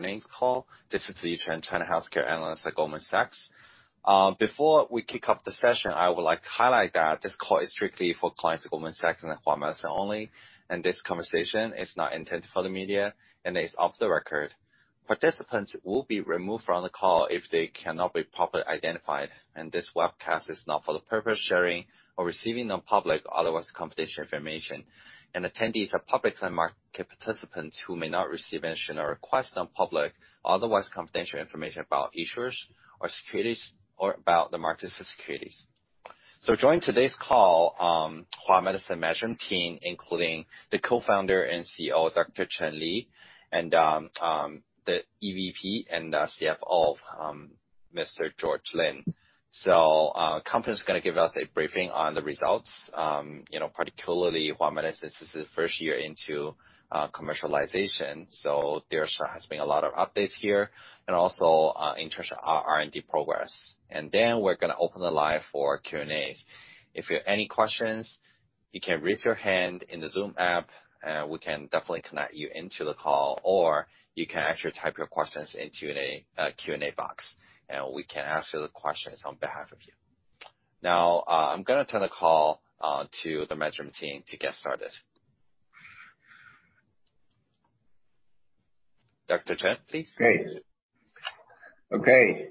Name call. This is Yi Chen, China Healthcare Analyst at Goldman Sachs. Before we kick off the session, I would like to highlight that this call is strictly for clients of Goldman Sachs and Hua Medicine only. This conversation is not intended for the media and is off the record. Participants will be removed from the call if they cannot be properly identified. This webcast is not for the purpose of sharing or receiving non-public otherwise confidential information. Attendees are public and market participants who may not receive, mention, or request non-public otherwise confidential information about issuers or securities or about the market for securities. Joining today's call, Hua Medicine management team, including the Co-founder and CEO, Dr. Chen Li, and the EVP and CFO, Mr. George Lin. Company's gonna give us a briefing on the results, you know, particularly Hua Medicine, this is the 1st year into commercialization, so there has been a lot of updates here and also in terms of R&D progress. We're gonna open the line for Q&As. If you have any questions, you can raise your hand in the Zoom app, and we can definitely connect you into the call, or you can actually type your questions into the Q&A box, and we can ask the questions on behalf of you. Now, I'm gonna turn the call to the management team to get started. Dr. Chen, please. Great. Okay.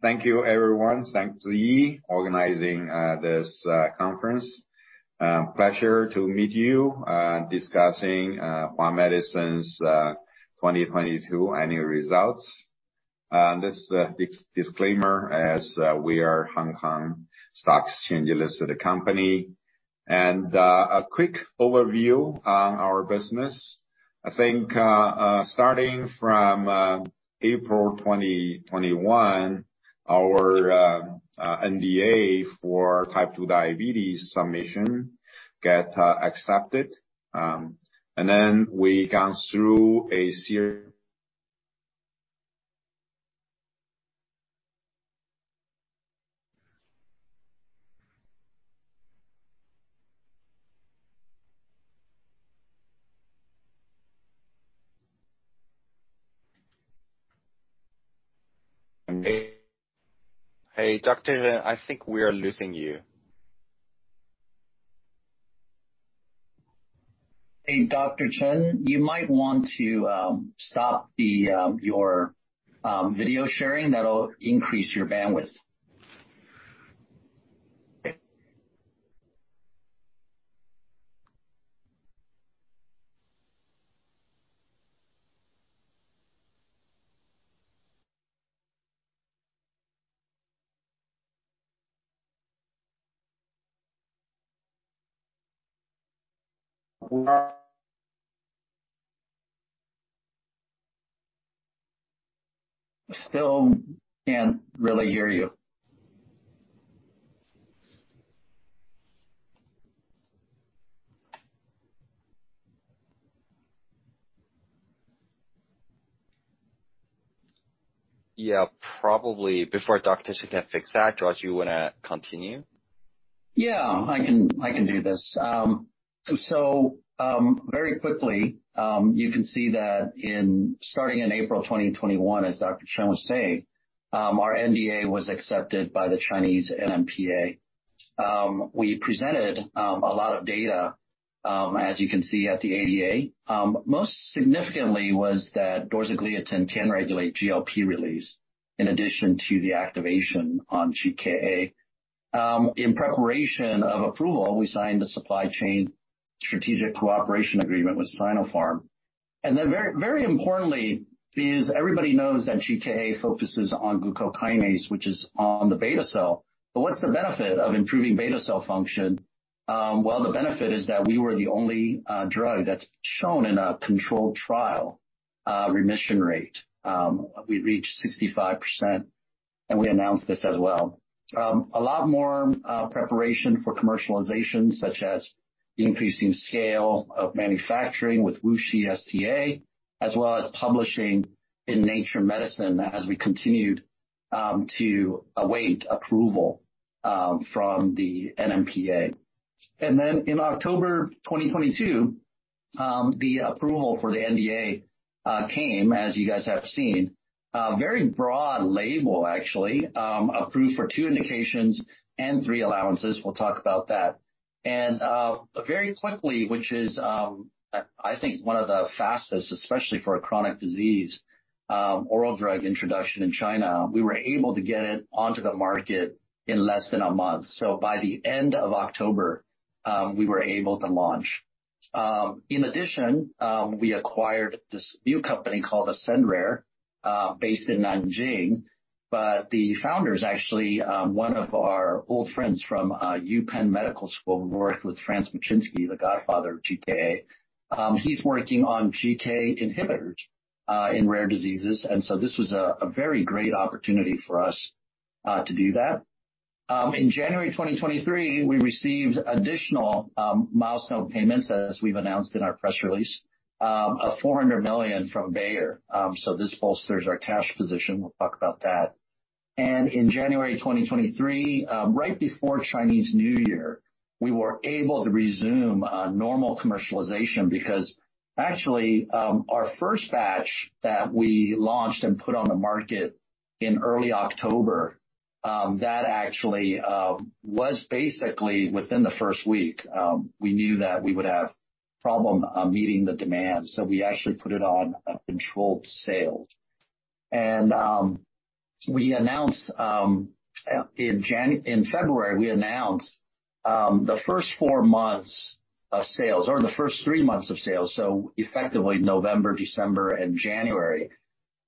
Thank you, everyone. Thanks to Yi organizing this conference. Pleasure to meet you discussing Hua Medicine's 2022 annual results. This disclaimer, as we are Hong Kong Stock Exchange-listed company. A quick overview on our business. I think starting from April 2021, our NDA for type 2 diabetes submission get accepted. We gone through. Hey, Dr. Chen, I think we are losing you. Hey, Dr. Chen, you might want to stop your video sharing. That'll increase your bandwidth. Still can't really hear you. Probably before our technician can fix that, George, you wanna continue? Yeah, I can do this. Very quickly, you can see that in starting in April 2021, as Dr. Chen was saying, our NDA was accepted by the Chinese NMPA. We presented a lot of data, as you can see at the ADA. Most significantly was that dorzagliatin can regulate GLP release in addition to the activation on GKA. In preparation of approval, we signed a supply chain strategic cooperation agreement with Sinopharm. Very importantly is everybody knows that GKA focuses on glucokinase, which is on the beta cell. What's the benefit of improving beta cell function? Well, the benefit is that we were the only drug that's shown in a controlled trial, remission rate. We reached 65%, and we announced this as well. A lot more preparation for commercialization, such as increasing scale of manufacturing with WuXi STA, as well as publishing in Nature Medicine as we continued to await approval from the NMPA. In October 2022, the approval for the NDA came, as you guys have seen. A very broad label, actually, approved for 2 indications and 3 allowances. We'll talk about that. Very quickly, which is, I think one of the fastest, especially for a chronic disease, oral drug introduction in China, we were able to get it onto the market in less than a month. By the end of October, we were able to launch. In addition, we acquired this new company called AscendRare, based in Nanjing, but the founder is actually one of our old friends from UPenn Medical School, who worked with Franz Matschinsky, the godfather of GKA. He's working on GK inhibitors in rare diseases, and so this was a very great opportunity for us to do that. In January 2023, we received additional milestone payments, as we've announced in our press release, of 400 million from Bayer. This bolsters our cash position. We'll talk about that. In January 2023, right before Chinese New Year, we were able to resume normal commercialization because actually, our 1st batch that we launched and put on the market in early October, that actually was basically within the 1st week, we knew that we would have problem meeting the demand, so we actually put it on a controlled sale. We announced in February, we announced the first 4 months of sales or the first 3 months of sales, so effectively November, December and January,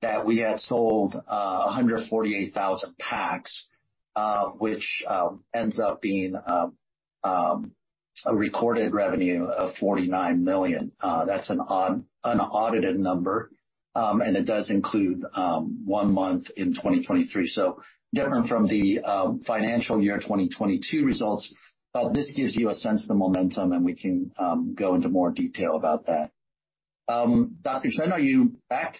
that we had sold 148,000 packs, which ends up being a recorded revenue of $49 million. That's an audited number, and it does include 1 month in 2023. Different from the financial year 2022 results, but this gives you a sense of the momentum, and we can go into more detail about that. Dr. Chen, are you back?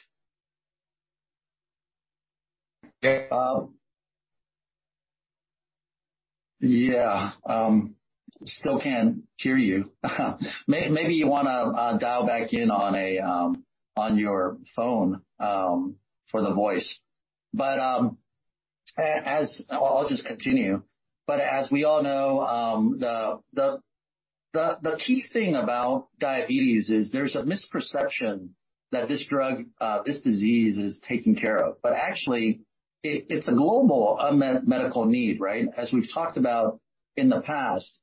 Yeah. Still can't hear you. Maybe you wanna dial back in on your phone for the voice. I'll just continue. As we all know, the key thing about diabetes is there's a misperception that this disease is taken care of. Actually, it's a global medical need, right? As we've talked about in the past.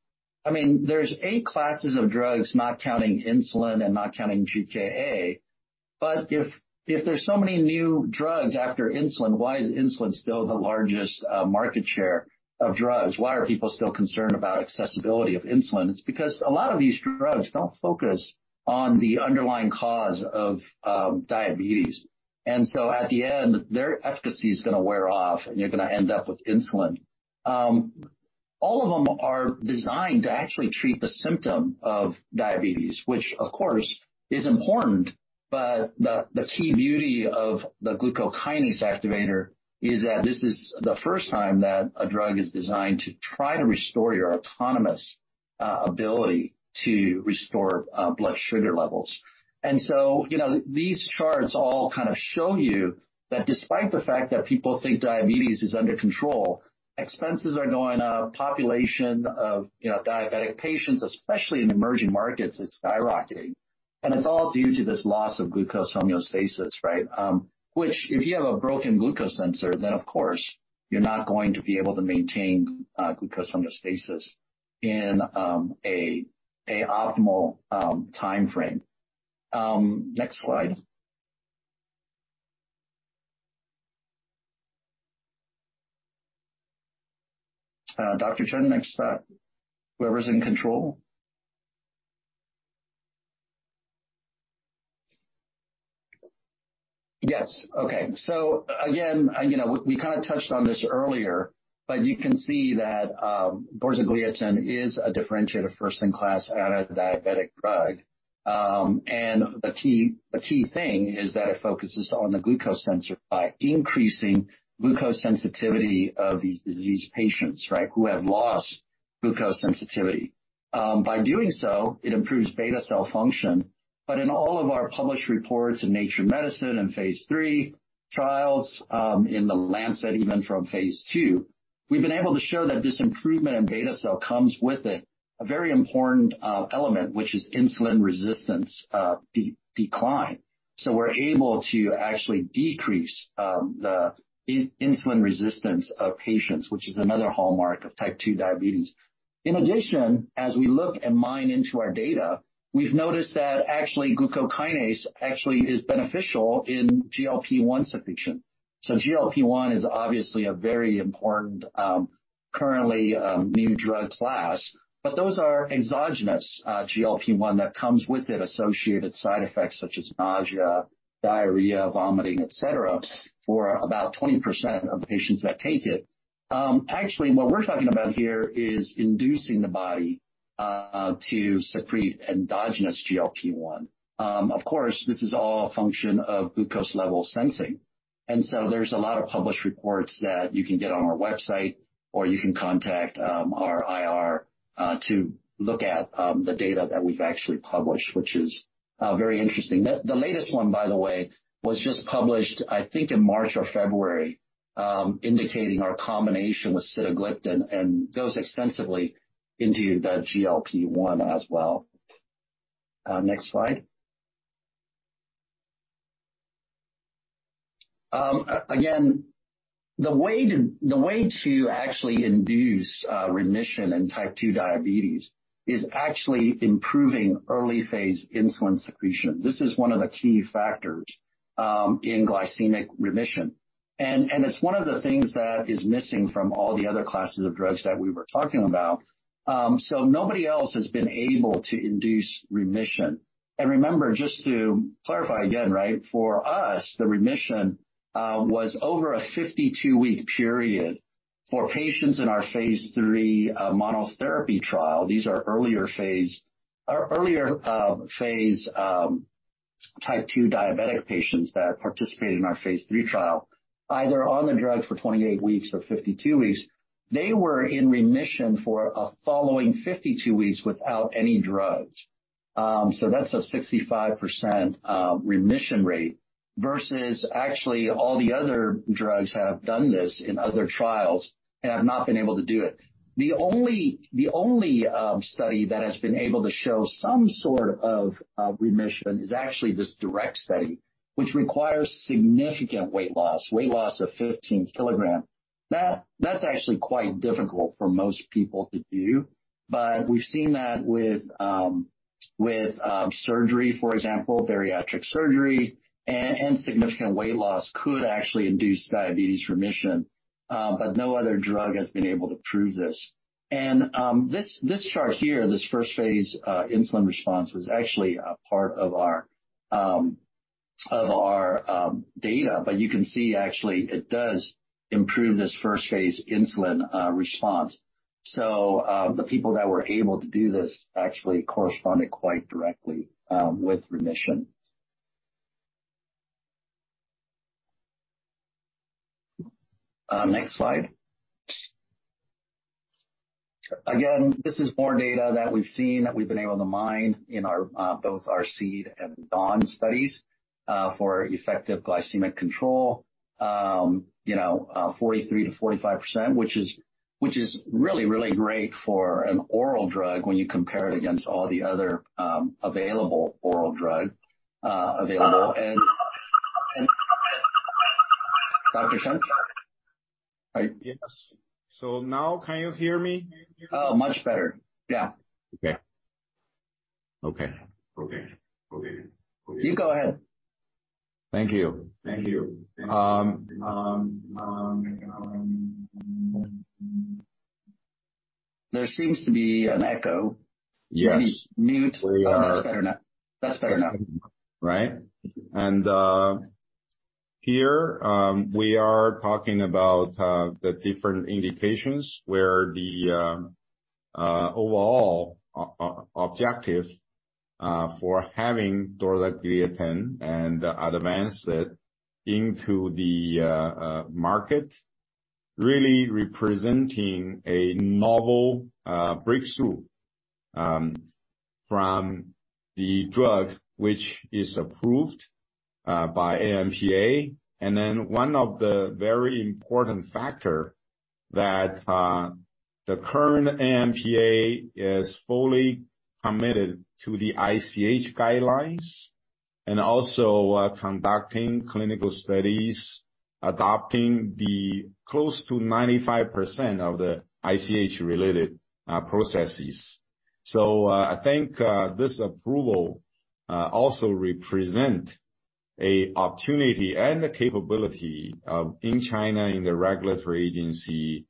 I mean, there's 8 classes of drugs, not counting insulin and not counting GKA. If there's so many new drugs after insulin, why is insulin still the largest market share of drugs? Why are people still concerned about accessibility of insulin? It's because a lot of these drugs don't focus on the underlying cause of diabetes. At the end, their efficacy is gonna wear off, and you're gonna end up with insulin. All of them are designed to actually treat the symptom of diabetes, which of course is important, but the key beauty of the Glucokinase Activator is that this is the 1st time that a drug is designed to try to restore your autonomous ability to restore blood sugar levels. You know, these charts all kind of show you that despite the fact that people think diabetes is under control, expenses are going up. Population of, you know, diabetic patients, especially in emerging markets, is skyrocketing. It's all due to this loss of glucose homeostasis, right? Which if you have a broken glucose sensor, then of course you're not going to be able to maintain glucose homeostasis in a optimal timeframe. Next slide. Dr. Chen, next slide. Whoever's in control. Yes. Okay. Again, you know, we kinda touched on this earlier, but you can see that dorzagliatin is a differentiated 1st in class anti-diabetic drug. The key thing is that it focuses on the glucose sensor by increasing glucose sensitivity of these disease patients, right, who have lost glucose sensitivity. By doing so, it improves beta cell function. In all of our published reports in Nature Medicine and phase III trials, in The Lancet, even from phase II, we've been able to show that this improvement in beta cell comes with it a very important element, which is insulin resistance decline. We're able to actually decrease the insulin resistance of patients, which is another hallmark of Type 2 diabetes. In addition, as we look and mine into our data, we've noticed that actually glucokinase actually is beneficial in GLP-1 secretion. GLP-1 is obviously a very important, currently, new drug class, but those are exogenous GLP-1 that comes with it associated side effects such as nausea, diarrhea, vomiting, et cetera, for about 20% of patients that take it. Actually what we're talking about here is inducing the body to secrete endogenous GLP-1. Of course, this is all a function of glucose level sensing, there's a lot of published reports that you can get on our website, or you can contact our IR to look at the data that we've actually published, which is very interesting. The latest 1, by the way, was just published, I think, in March or February, indicating our combination with sitagliptin and goes extensively into the GLP-1 as well. Next slide. Again, the way to actually induce remission in Type 2 diabetes is actually improving early phase insulin secretion. This is one of the key factors in glycemic remission. It's one of the things that is missing from all the other classes of drugs that we were talking about. Nobody else has been able to induce remission. Remember, just to clarify again, right? For us, the remission was over a 52-week period. For patients in our phase III monotherapy trial, these are earlier phase Type 2 diabetic patients that participated in our phase III trial, either on the drug for 28 weeks or 52 weeks, they were in remission for a following 52 weeks without any drugs. That's a 65% remission rate versus actually all the other drugs have done this in other trials and have not been able to do it. The only study that has been able to show some sort of remission is actually this DiRECT study, which requires significant weight loss, weight loss of 15 kilograms. That's actually quite difficult for most people to do. We've seen that with surgery, for example, bariatric surgery and significant weight loss could actually induce diabetes remission, but no other drug has been able to prove this. This chart here, this 1st phase insulin response, was actually a part of our data. You can see actually it does improve this 1st phase insulin response. The people that were able to do this actually corresponded quite directly with remission. Next slide. Again, this is more data that we've seen, that we've been able to mine in our both our SEED and DAWN studies for effective glycemic control. You know, 43%-45%, which is really, really great for an oral drug when you compare it against all the other, available oral drug, available. Dr. Chen? Yes. Now can you hear me? Oh, much better. Okay. You go ahead. Thank you. Thank you. There seems to be an echo. Yes. Let me mute. We are- That's better now. That's better now. Right. Here, we are talking about the different indications where the overall objective for having dorzagliatin and advanced it into the market, really representing a novel breakthrough from the drug, which is approved by NMPA. One of the very important factor that the current NMPA is fully committed to the ICH guidelines and also conducting clinical studies, adopting the close to 95% of the ICH related processes. I think this approval also represent a opportunity and the capability of, in China, in the regulatory agency,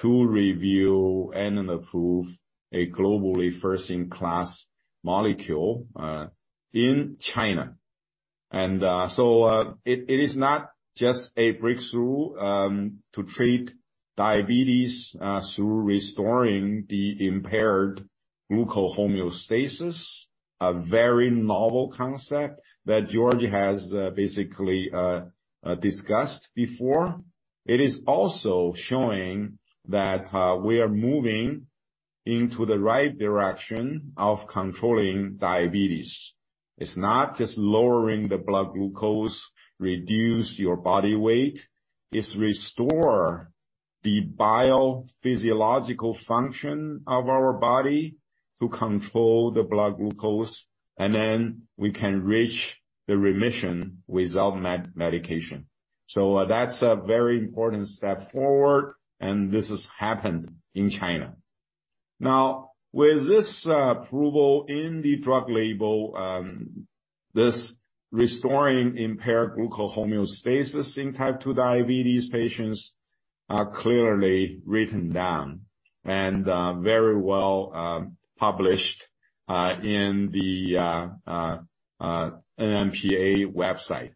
to review and approve a globally first-in-class molecule, in China. It is not just a breakthrough to treat diabetes through restoring the impaired glucose homeostasis, a very novel concept that George has basically discussed before. It is also showing that we are moving into the right direction of controlling diabetes. It's not just lowering the blood glucose, reduce your body weight. It's restore the biophysiological function of our body to control the blood glucose, and then we can reach the remission without medication. That's a very important step forward, and this has happened in China. Now, with this approval in the drug label, this restoring impaired glucose homeostasis in type 2 diabetes patients are clearly written down and very well published in the NMPA website.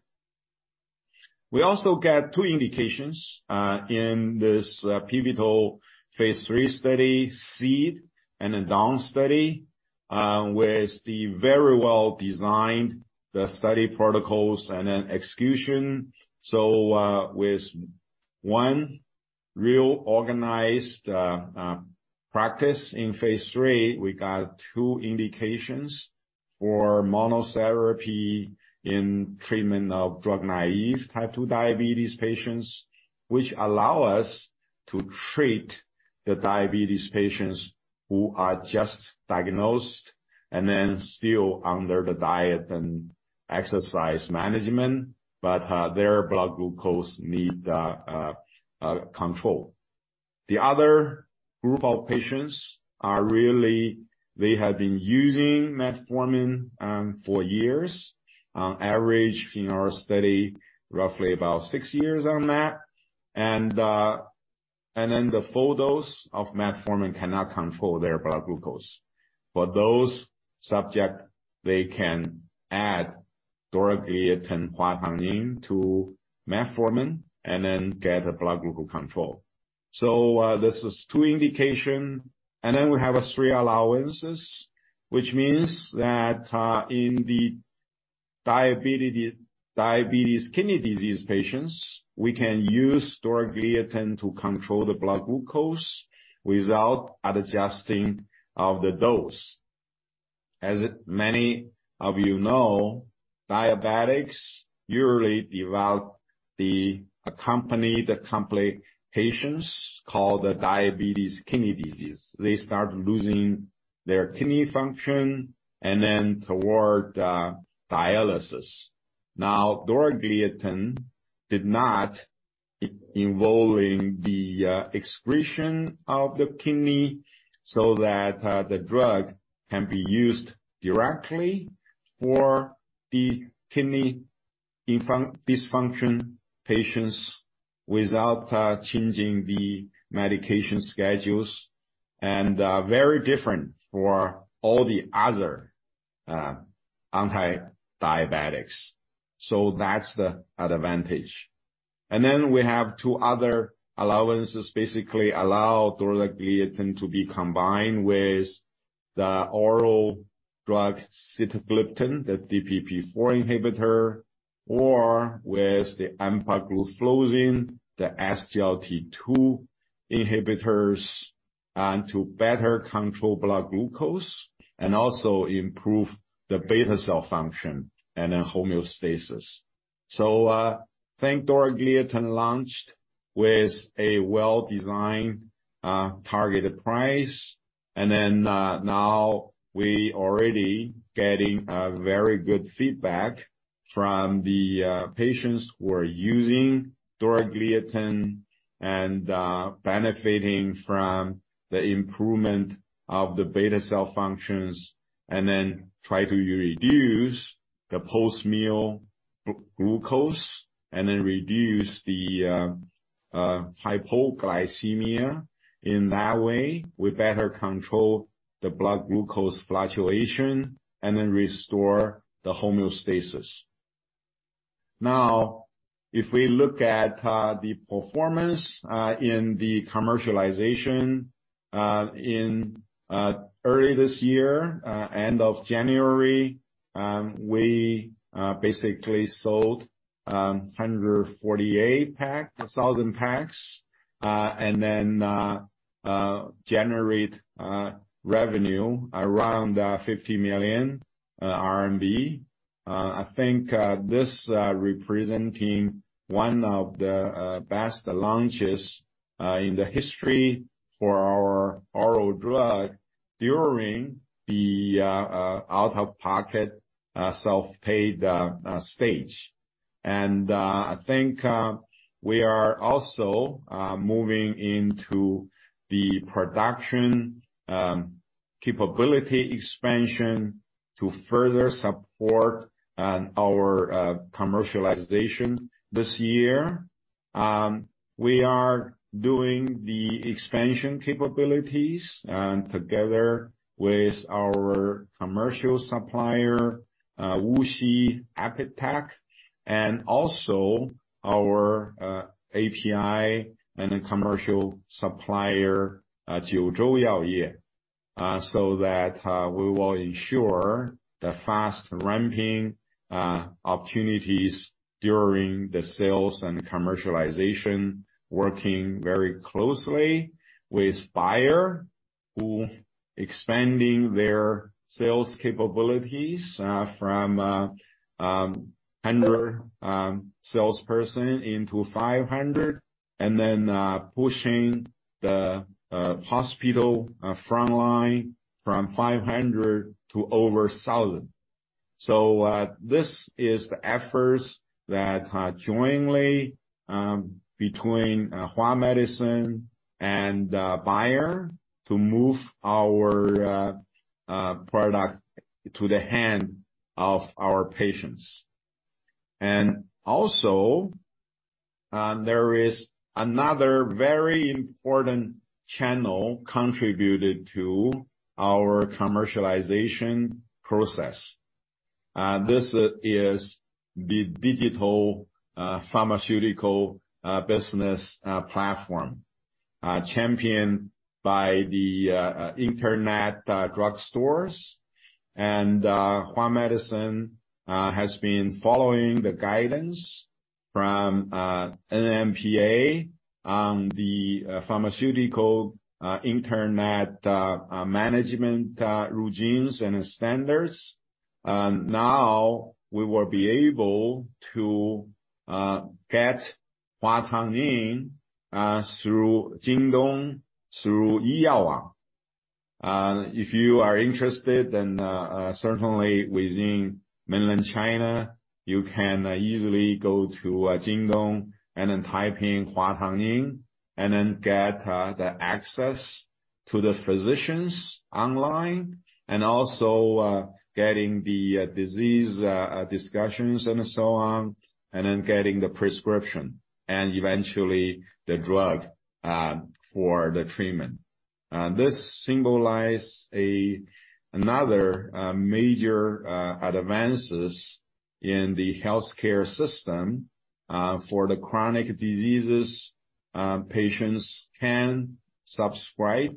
We also get 2 indications in this pivotal phase III study, SEED and DAWN study, with the very well-designed study protocols and execution. With 1 real organized practice in phase III, we got 2 indications for monotherapy in treatment of drug-naive type 2 diabetes patients, which allow us to treat the diabetes patients who are just diagnosed and then still under the diet and exercise management, their blood glucose need control. The other group of patients are really, they have been using metformin for years. Average in our study, roughly about 6 years on that. The full dose of metformin cannot control their blood glucose. For those subject, they can add dorzagliatin HuaTangNing to metformin and then get a blood glucose control. This is 2 indication, we have 3 allowances, which means that in the diabetes kidney disease patients, we can use dorzagliatin to control the blood glucose without adjusting of the dose. As many of you know, diabetics usually develop the complications called diabetes kidney disease. They start losing their kidney function toward dialysis. Now, dorzagliatin did not involving the excretion of the kidney so that the drug can be used directly for the kidney dysfunction patients without changing the medication schedules and very different for all the other antidiabetics. That's the advantage. We have 2 other allowances basically allow dorzagliatin to be combined with the oral drug sitagliptin, the DPP4 inhibitor, or with the empagliflozin, the SGLT2 inhibitors, to better control blood glucose and also improve the β-cell function and then homeostasis. I think dorzagliatin launched with a well-designed, targeted price. Now we already getting very good feedback from the patients who are using dorzagliatin and benefiting from the improvement of the β-cell functions, and then try to reduce the post-meal glucose and then reduce the hypoglycemia. In that way, we better control the blood glucose fluctuation and then restore the homeostasis. Now, if we look at the performance in the commercialization in early this year, end of January, we basically sold 148 thousand packs, and then generate revenue around 50 million RMB. I think this representing one of the best launches in the history for our oral drug during the out-of-pocket self-paid stage. I think we are also moving into the production capability expansion to further support and our commercialization this year. We are doing the expansion capabilities and together with our commercial supplier, WuXi AppTec, and also our API and then commercial supplier, Jiuzhou Yaoye. So that we will ensure the fast ramping opportunities during the sales and commercialization, working very closely with Bayer, who expanding their sales capabilities from 100 salesperson into 500, then pushing the hospital frontline from 500 to over 1,000. This is the efforts that jointly between Hua Medicine and Bayer to move our product into the hand of our patients. There is another very important channel contributed to our commercialization process. This is the digital pharmaceutical business platform championed by the internet drugstores. Hua Medicine has been following the guidance from NMPA on the pharmaceutical internet management routines and standards. Now we will be able to get HuaTangNing through Jingdong, through Yiyaowang. If you are interested, certainly within mainland China, you can easily go to Jingdong and then type in HuaTangNing, and then get the access to the physicians online, and also getting the disease discussions and so on, and then getting the prescription and eventually the drug for the treatment. This symbolize another major advances in the healthcare system for the chronic diseases, patients can subscribe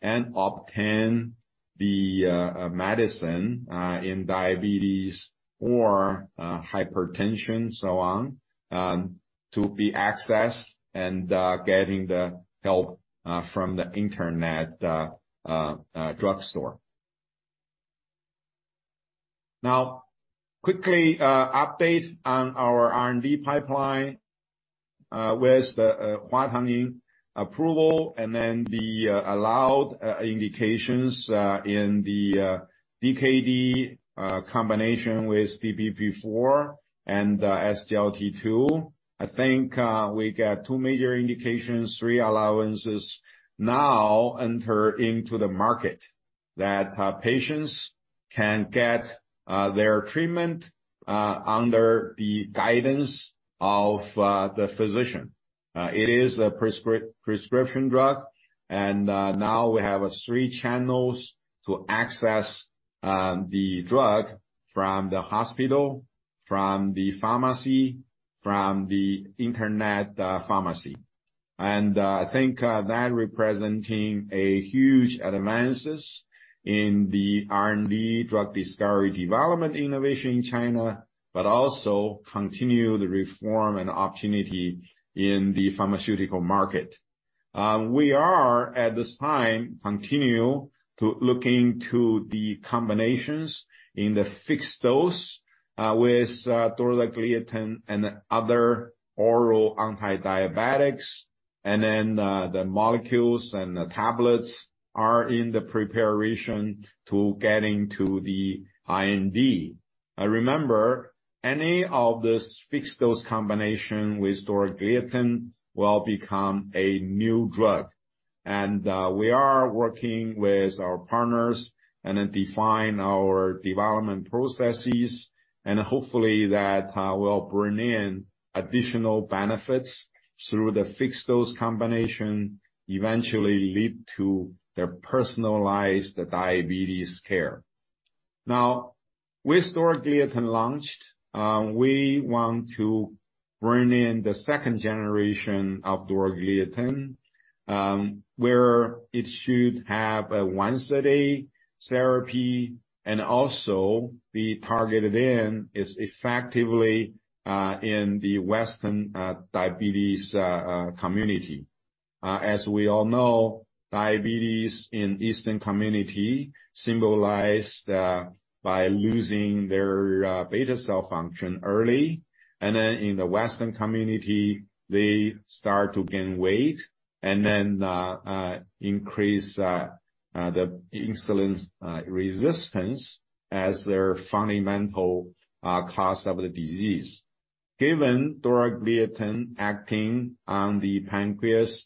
and obtain the medicine in diabetes or hypertension, so on, to be accessed and getting the help from the internet drugstore. Now, quickly, update on our R&D pipeline, with the HuaTangNing approval and then the allowed indications in the DKD combination with DPP-4 and the SGLT2. I think, we got 2 major indications, 3 allowances now enter into the market that patients can get their treatment under the guidance of the physician. It is a prescription drug, now we have 3 channels to access the drug from the hospital, from the pharmacy, from the internet pharmacy. I think, that representing a huge advances in the R&D drug discovery development innovation in China, but also continue the reform and opportunity in the pharmaceutical market. We are, at this time, continue to looking to the combinations in the fixed dose with dorzagliatin and other oral antidiabetics. The molecules and the tablets are in the preparation to getting to the IND. Remember, any of this fixed dose combination with dorzagliatin will become a new drug. We are working with our partners and then define our development processes, and hopefully that will bring in additional benefits through the fixed dose combination, eventually lead to the personalized diabetes care. Now, with dorzagliatin launched, we want to bring in the 2nd generation of dorzagliatin, where it should have a once a day therapy and also be targeted in as effectively in the Western diabetes community. As we all know, diabetes in Eastern community symbolized by losing their beta cell function early. In the Western community, they start to gain weight and then increase the insulin resistance as their fundamental cause of the disease. Given dorzagliatin acting on the pancreas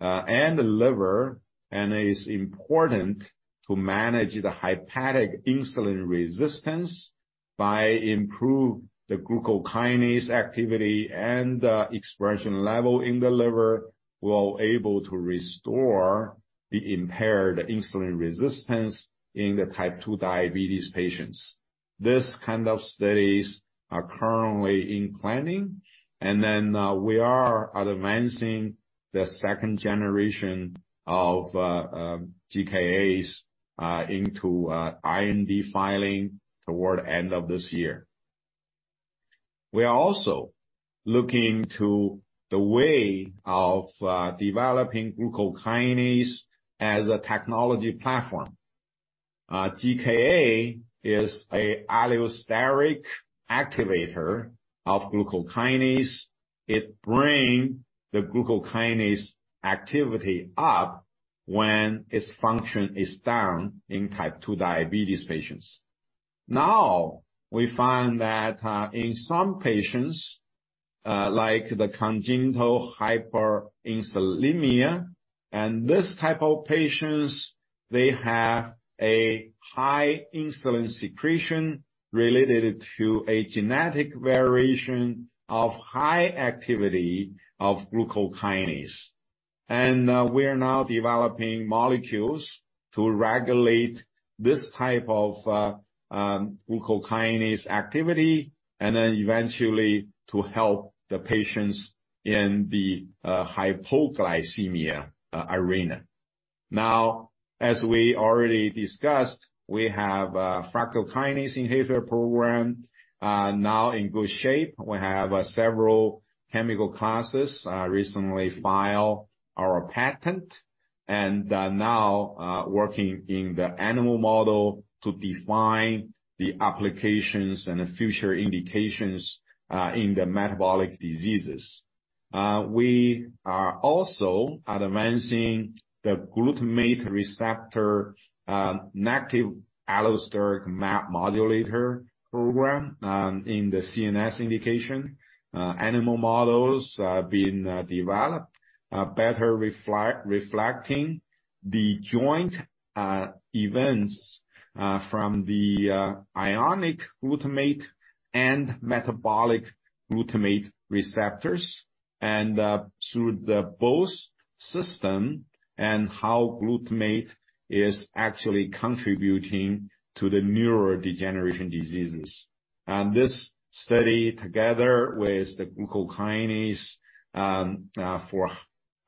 and liver, and is important to manage the hepatic insulin resistance by improve the glucokinase activity and the expression level in the liver, we're able to restore the impaired insulin resistance in the Type 2 diabetes patients. This kind of studies are currently in planning, we are advancing the 2nd generation of GKAs into a IND filing toward end of this year. We are also looking to the way of developing glucokinase as a technology platform. GKA is a allosteric activator of glucokinase. It bring the glucokinase activity up when its function is down in Type 2 diabetes patients. We find that in some patients, like the congenital hyperinsulinism, and this type of patients, they have a high insulin secretion related to a genetic variation of high activity of glucokinase. We're now developing molecules to regulate this type of glucokinase activity, and then eventually to help the patients in the hypoglycemia arena. As we already discussed, we have a fructokinase inhibitor program now in good shape. We have several chemical classes, recently file our patent and now working in the animal model to define the applications and the future indications in the metabolic diseases. We are also advancing the glutamate receptor active allosteric modulator program in the CNS indication. Animal models are being developed, reflecting the joint events from the ionic glutamate and metabolic-Glutamate receptors and through the both system and how glutamate is actually contributing to the neurodegeneration diseases. This study, together with the glucokinase for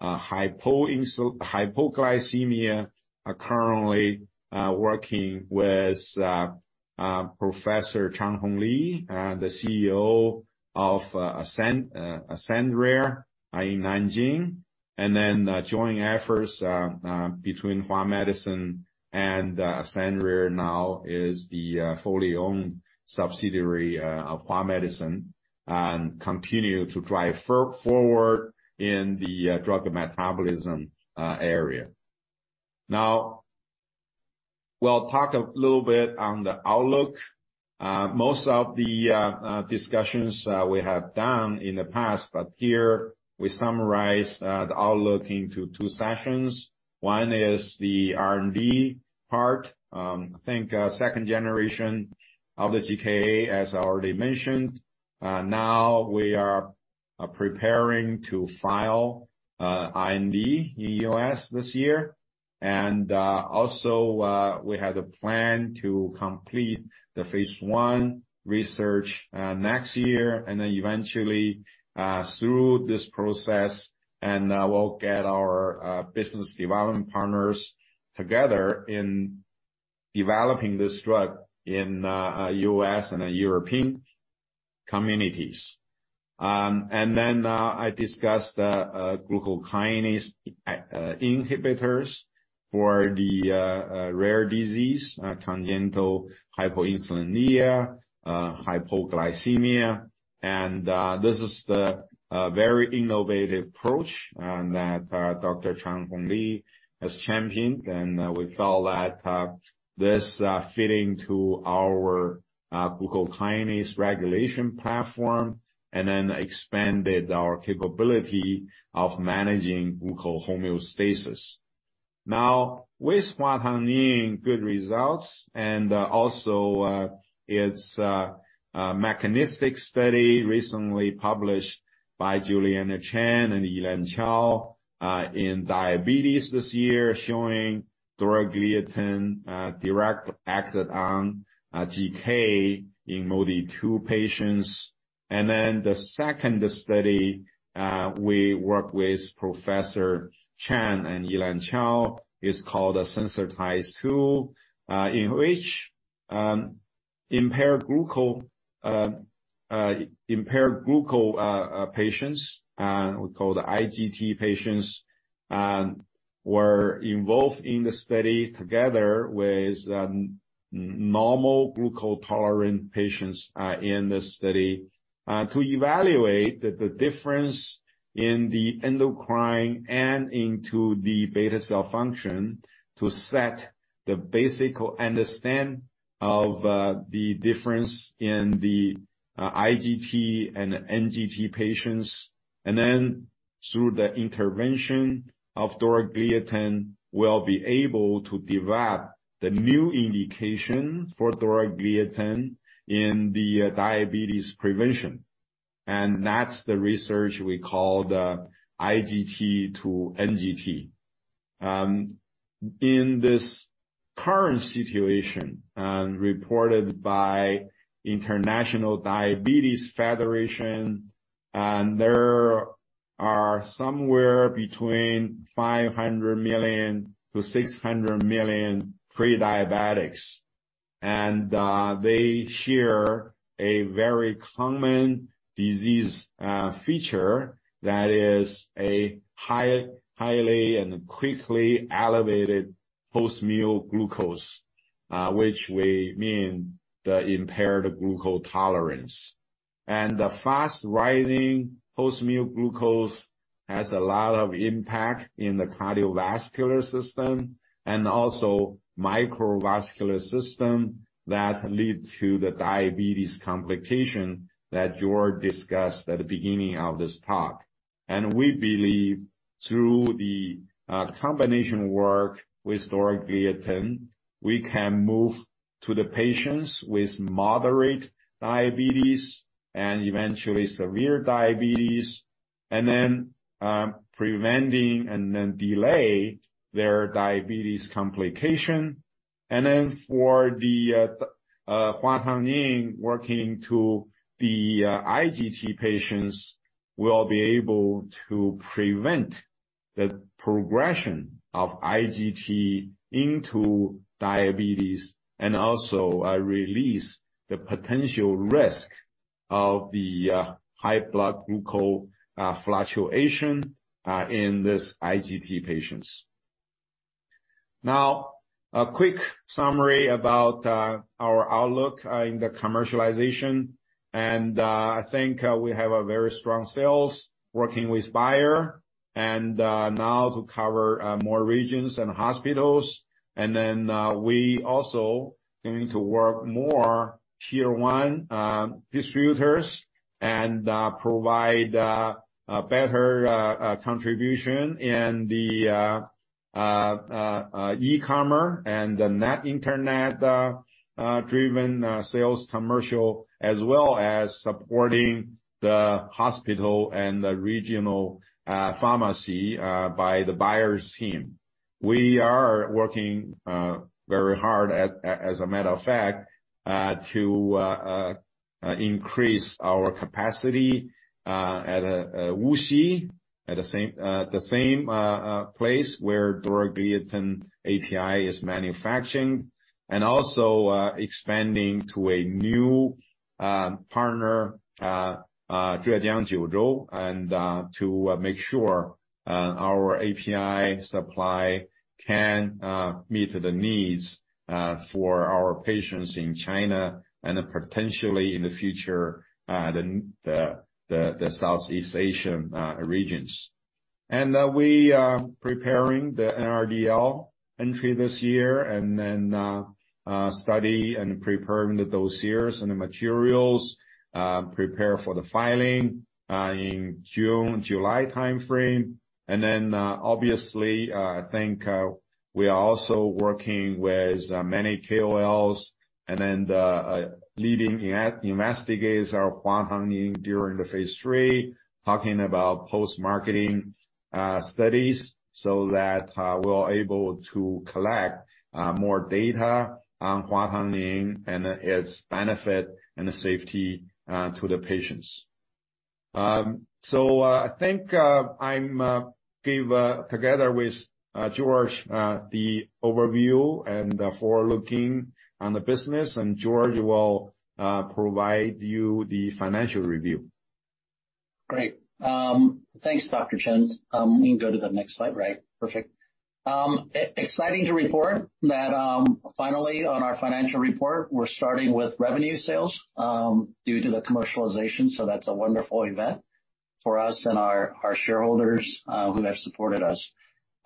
hypoglycemia are currently working with Professor Changhong Li, the CEO of AscendRare in Nanjing. Joint efforts between Hua Medicine and AscendRare now is the fully owned subsidiary of Hua Medicine and continue to drive forward in the drug metabolism area. We'll talk a little bit on the outlook. Most of the discussions we have done in the past, but here we summarize the outlook into 2 sessions. 1 is the R&D part. I think, 2nd generation of the GKA, as I already mentioned. Now we are preparing to file IND in the US this year. Also, we have the plan to complete the phase I research next year and then eventually, through this process, we'll get our business development partners together in developing this drug in US and European communities. I discussed glucokinase inhibitors for the rare disease, congenital hyperinsulinism, hypoglycemia. This is the very innovative approach that Dr. Changhong Li is championing. We feel that this fitting to our glucokinase regulation platform and then expanded our capability of managing glucose homeostasis. With HuaTangNing good results and also its mechanistic study recently published by Juliana Chan and Elaine Chow in diabetes this year, showing dorzagliatin direct acted on GK in MODY2 patients. The second study we work with Professor Chan and Elaine Chow is called a SENSITIZE study, in which impaired glucose impaired glucose patients, we call the IGT patients, were involved in the study together with normal glucose tolerant patients in the study to evaluate the difference in the endocrine and into the beta cell function to set the basic understand of the difference in the IGT and NGT patients. Through the intervention of dorzagliatin, we'll be able to develop the new indication for dorzagliatin in the diabetes prevention. That's the research we call the IGT to NGT. In this current situation reported by International Diabetes Federation, there are somewhere between 500 million to 600 million pre-diabetics, they share a very common disease feature that is a highly and quickly elevated post-meal glucose, which we mean the impaired glucose tolerance. The fast rising post-meal glucose has a lot of impact in the cardiovascular system and also microvascular system that lead to the diabetes complication that George discussed at the beginning of this talk. We believe through the combination work with dorzagliatin, we can move to the patients with moderate diabetes and eventually severe diabetes, preventing and then delay their diabetes complication. For the HuaTangNing, working to the IGT patients will be able to prevent the progression of IGT into diabetes, and also release the potential risk of the high blood glucose fluctuation in this IGT patients. Now, a quick summary about our outlook in the commercialization. I think we have a very strong sales working with Bayer now to cover more regions and hospitals. We also going to work more Tier 1 distributors and provide a better contribution in the e-commerce and internet driven sales commercial, as well as supporting the hospital and the regional pharmacy by the Bayer's team. We are working very hard as a matter of fact to increase our capacity at WuXi at the same place where dorzagliatin API is manufacturing and also expanding to a new partner to make sure our API supply can meet the needs for our patients in China and potentially in the future the Southeast Asian regions. We are preparing the NRDL entry this year and then study and preparing the dossiers and the materials prepare for the filing in June, July timeframe. Obviously, I think, we are also working with many KOLs and then the leading investigator HuaTangNing during the phase III, talking about post-marketing studies so that we're able to collect more data on HuaTangNing and its benefit and safety to the patients. I think, I'm give together with George the overview and forward looking on the business, and George will provide you the financial review. Great. Thanks, Dr. Chen. We can go to the next slide, right? Perfect. Exciting to report that finally on our financial report, we're starting with revenue sales due to the commercialization. That's a wonderful event for us and our shareholders who have supported us.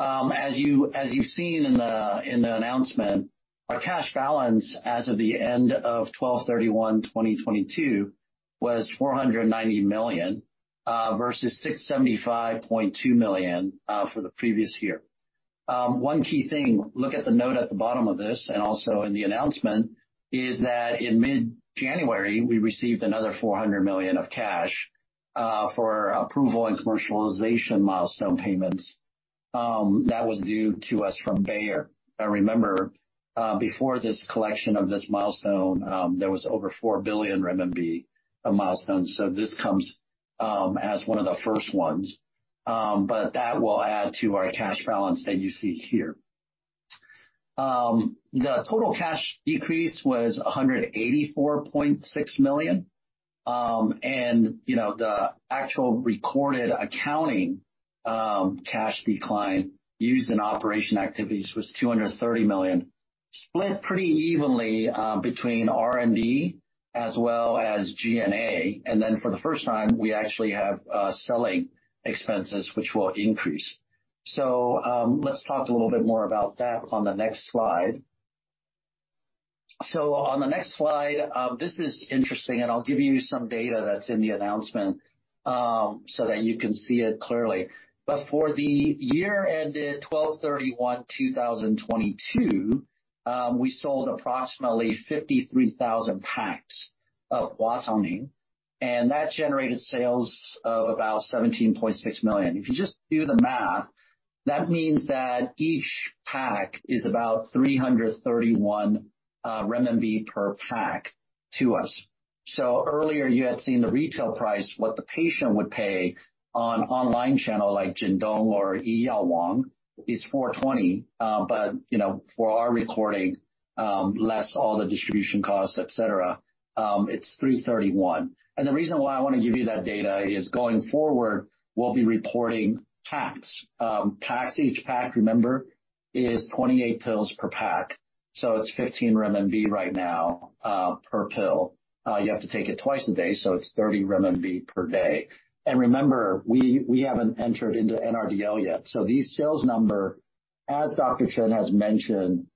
As you've seen in the announcement, our cash balance as of the end of 12/31/2022 was 490 million versus 675.2 million for the previous year. 1 key thing, look at the note at the bottom of this and also in the announcement, is that in mid-January, we received another 400 million of cash for approval and commercialization milestone payments that was due to us from Bayer. Now remember, before this collection of this milestone, there was over 4 billion RMB of milestones. This comes as one of the first ones. That will add to our cash balance that you see here. The total cash decrease was 184.6 million. You know, the actual recorded accounting, cash decline used in operation activities was 230 million, split pretty evenly between R&D as well as G&A. Then for the first time, we actually have selling expenses, which will increase. Let's talk a little bit more about that on the next slide. On the next slide, this is interesting, and I'll give you some data that's in the announcement, so that you can see it clearly. For the year ended 12/31/2022, we sold approximately 53,000 packs of HuaTangNing, and that generated sales of about 17.6 million. If you just do the math, that means that each pack is about 331 renminbi per pack to us. Earlier you had seen the retail price, what the patient would pay on online channel like Jingdong or Yiyaowang is 420, but, you know, for our recording, less all the distribution costs, et cetera, it's 331. The reason why I wanna give you that data is going forward, we'll be reporting packs. Packs, each pack, remember, is 28 pills per pack, so it's 15 RMB right now per pill. You have to take it twice a day, so it's 30 RMB per day. Remember, we haven't entered into NRDL yet. These sales number, as Dr. Chen has mentioned,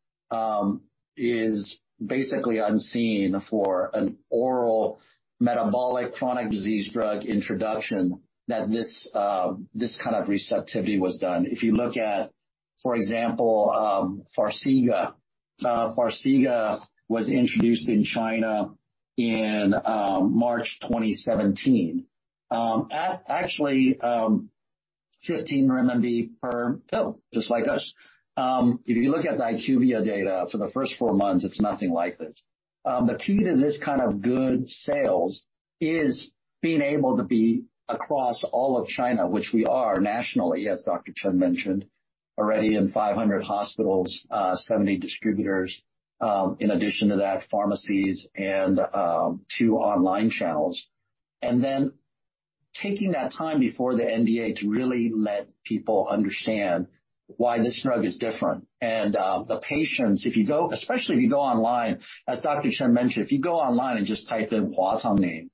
is basically unseen for an oral metabolic chronic disease drug introduction that this kind of receptivity was done. If you look at, for example, Farxiga. Farxiga was introduced in China in March 2017, at actually 15 RMB per pill, just like us. If you look at the IQVIA data for the first 4 months, it's nothing like this. The key to this kind of good sales is being able to be across all of China, which we are nationally, as Dr. Chen mentioned, already in 500 hospitals, 70 distributors, in addition to that, pharmacies and 2 online channels. Taking that time before the NDA to really let people understand why this drug is different. The patients, especially if you go online, as Dr. Chen mentioned, if you go online and just type in HuaTangNing,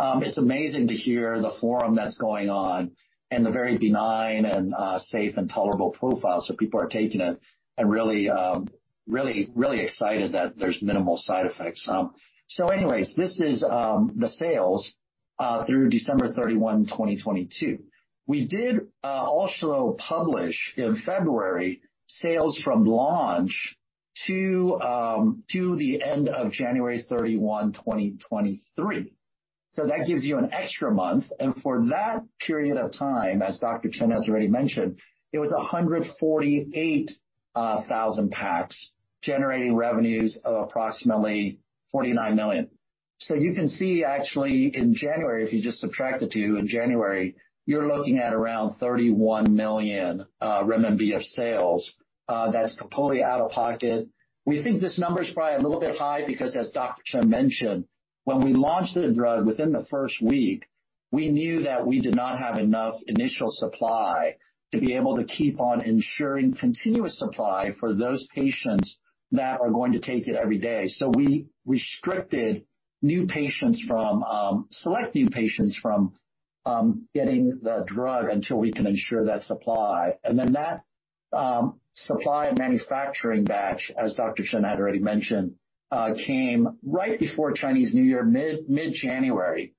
it's amazing to hear the forum that's going on and the very benign and safe and tolerable profile. People are taking it and really excited that there's minimal side effects. This is the sales. Through December 31, 2022. We did also publish in February sales from launch to the end of January 31, 2023. That gives you an extra month. For that period of time, as Dr. Chen has already mentioned, it was 148,000 packs generating revenues of approximately 49 million. You can see actually in January, if you just subtract the 2, in January, you're looking at around 31 million renminbi of sales that is completely out-of-pocket. We think this number is probably a little bit high because as Dr. Chen mentioned, when we launched the drug within the 1st week, we knew that we did not have enough initial supply to be able to keep on ensuring continuous supply for those patients that are going to take it every day. We restricted select new patients from getting the drug until we can ensure that supply. That supply and manufacturing batch, as Dr. Chen had already mentioned, came right before Chinese New Year, mid-January.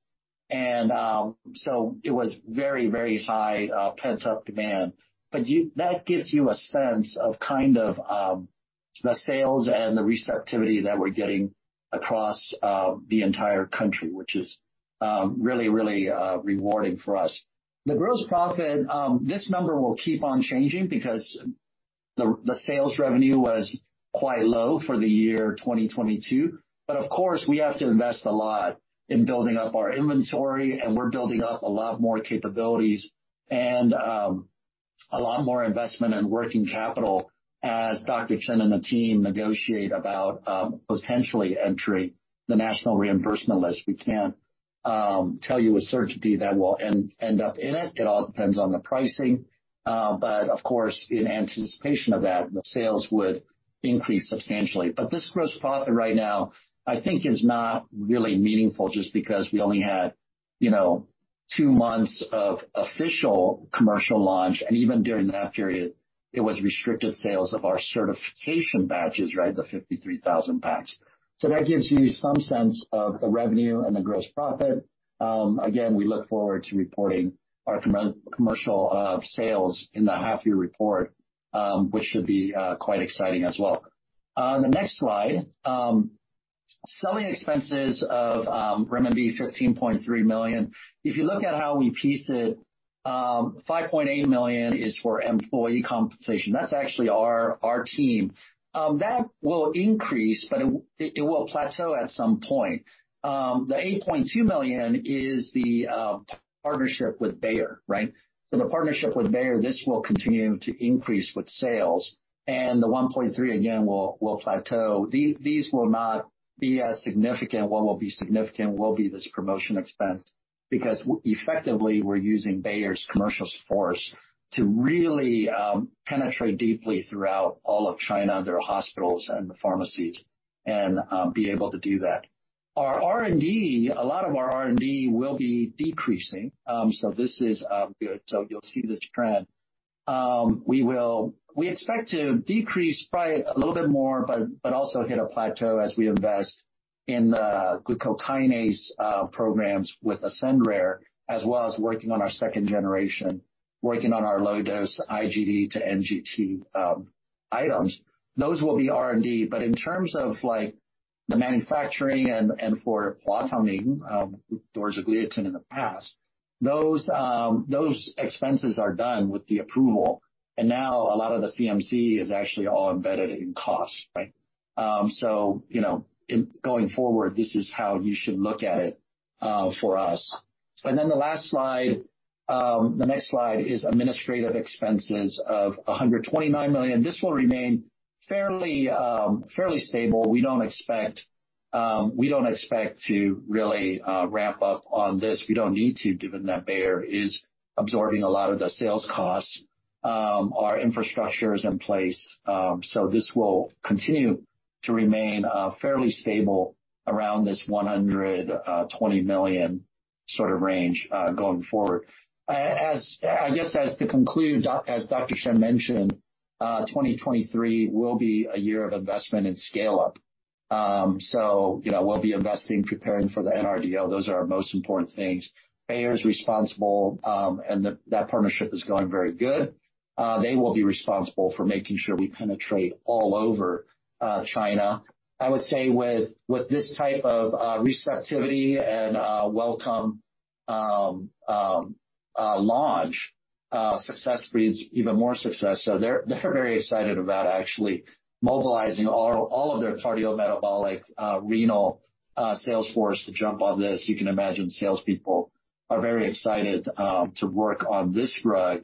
It was very, very high pent-up demand. That gives you a sense of kind of the sales and the receptivity that we're getting across the entire country, which is really rewarding for us. The gross profit, this number will keep on changing because the sales revenue was quite low for the year 2022. Of course, we have to invest a lot in building up our inventory, and we're building up a lot more capabilities and a lot more investment in working capital as Dr. Chen and the team negotiate about potentially entering the National Reimbursement List. We can't tell you with certainty that we'll end up in it. It all depends on the pricing. Of course, in anticipation of that, the sales would increase substantially. This gross profit right now, I think is not really meaningful just because we only had, you know, 2 months of official commercial launch, and even during that period, it was restricted sales of our certification batches, right? The 53,000 packs. That gives you some sense of the revenue and the gross profit. Again, we look forward to reporting our commercial sales in the half-year report, which should be quite exciting as well. The next slide. Selling expenses of RMB 15.3 million. If you look at how we piece it, 5.8 million is for employee compensation. That's actually our team. That will increase, but it will plateau at some point. The 8.2 million is the partnership with Bayer, right? The partnership with Bayer, this will continue to increase with sales. The 1.3, again, will plateau. These will not be as significant. What will be significant will be this promotion expense because effectively, we're using Bayer's commercial force to really penetrate deeply throughout all of China, their hospitals and the pharmacies and be able to do that. Our R&D, a lot of our R&D will be decreasing. You'll see this trend. We expect to decrease probably a little bit more, but also hit a plateau as we invest in the glucokinase programs with AscendRare, as well as working on our 2nd generation, working on our low-dose IGD to NGT items. Those will be R&D. In terms of like the manufacturing and for Plazomicin, dorzagliatin in the past, those expenses are done with the approval. Now a lot of the CMC is actually all embedded in cost, right? You know, going forward, this is how you should look at it for us. Then the last slide, the next slide is administrative expenses of 129 million. This will remain fairly stable. We don't expect to really ramp up on this. We don't need to, given that Bayer is absorbing a lot of the sales costs. Our infrastructure is in place, this will continue to remain fairly stable around this 120 million sort of range going forward. As to conclude, as Dr. Chen mentioned, 2023 will be a year of investment and scale-up. You know, we'll be investing, preparing for the NRDO. Those are our most important things. Bayer is responsible, and that partnership is going very good. They will be responsible for making sure we penetrate all over China. I would say with this type of receptivity and welcome launch, success breeds even more success. They're very excited about actually mobilizing all of their cardiometabolic, renal sales force to jump on this. You can imagine salespeople are very excited to work on this drug,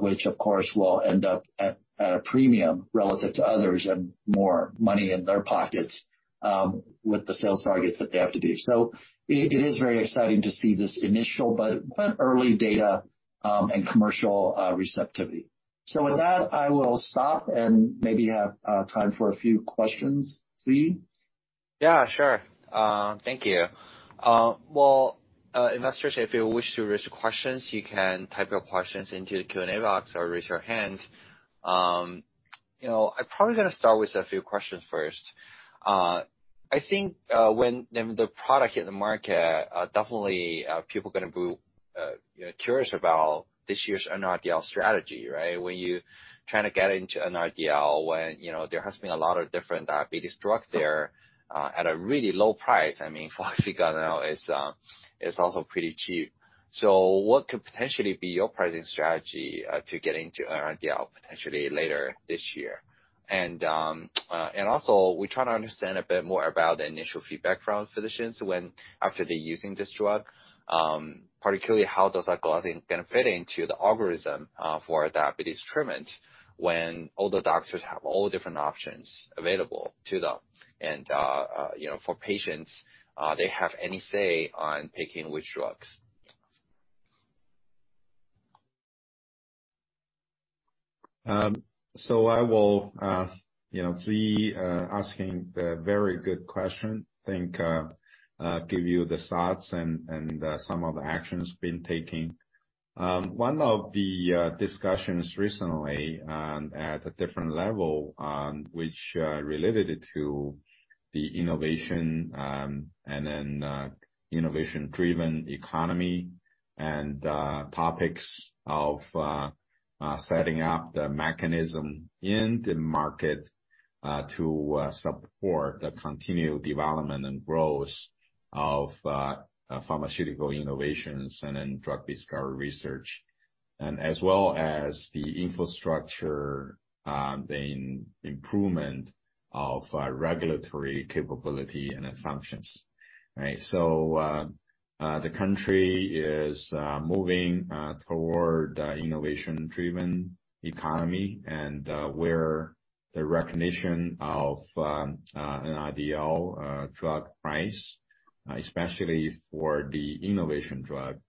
which of course, will end up at a premium relative to others and more money in their pockets with the sales targets that they have to do. It is very exciting to see this initial but early data, and commercial receptivity. With that, I will stop and maybe have time for a few questions. Xi? Sure. Thank you. Well, investors, if you wish to raise questions, you can type your questions into the Q&A box or raise your hand. You know, I'm probably gonna start with a few questions first. I think, when the product hit the market, definitely, people gonna be, you know, curious about this year's NRDL strategy, right? When you trying to get into NRDL when, you know, there has been a lot of different diabetes drugs there, at a really low price. I mean, Forxiga now is also pretty cheap. What could potentially be your pricing strategy, to get into NRDL potentially later this year? Also we try to understand a bit more about the initial feedback from physicians when after they're using this drug, particularly how does that gonna fit into the algorithm for diabetes treatment when all the doctors have all the different options available to them and, you know, for patients, they have any say on picking which drugs? I will, you know, Ziyi, asking a very good question. Think, give you the thoughts and some of the actions been taking. One of the discussions recently at a different level, which related to the innovation, and then innovation-driven economy and topics of setting up the mechanism in the market to support the continued development and growth of pharmaceutical innovations and in drug discovery research. As well as the infrastructure, the improvement of regulatory capability and assumptions. Right. The country is moving toward a innovation-driven economy and where the recognition of an NRDL drug price, especially for the innovation drug,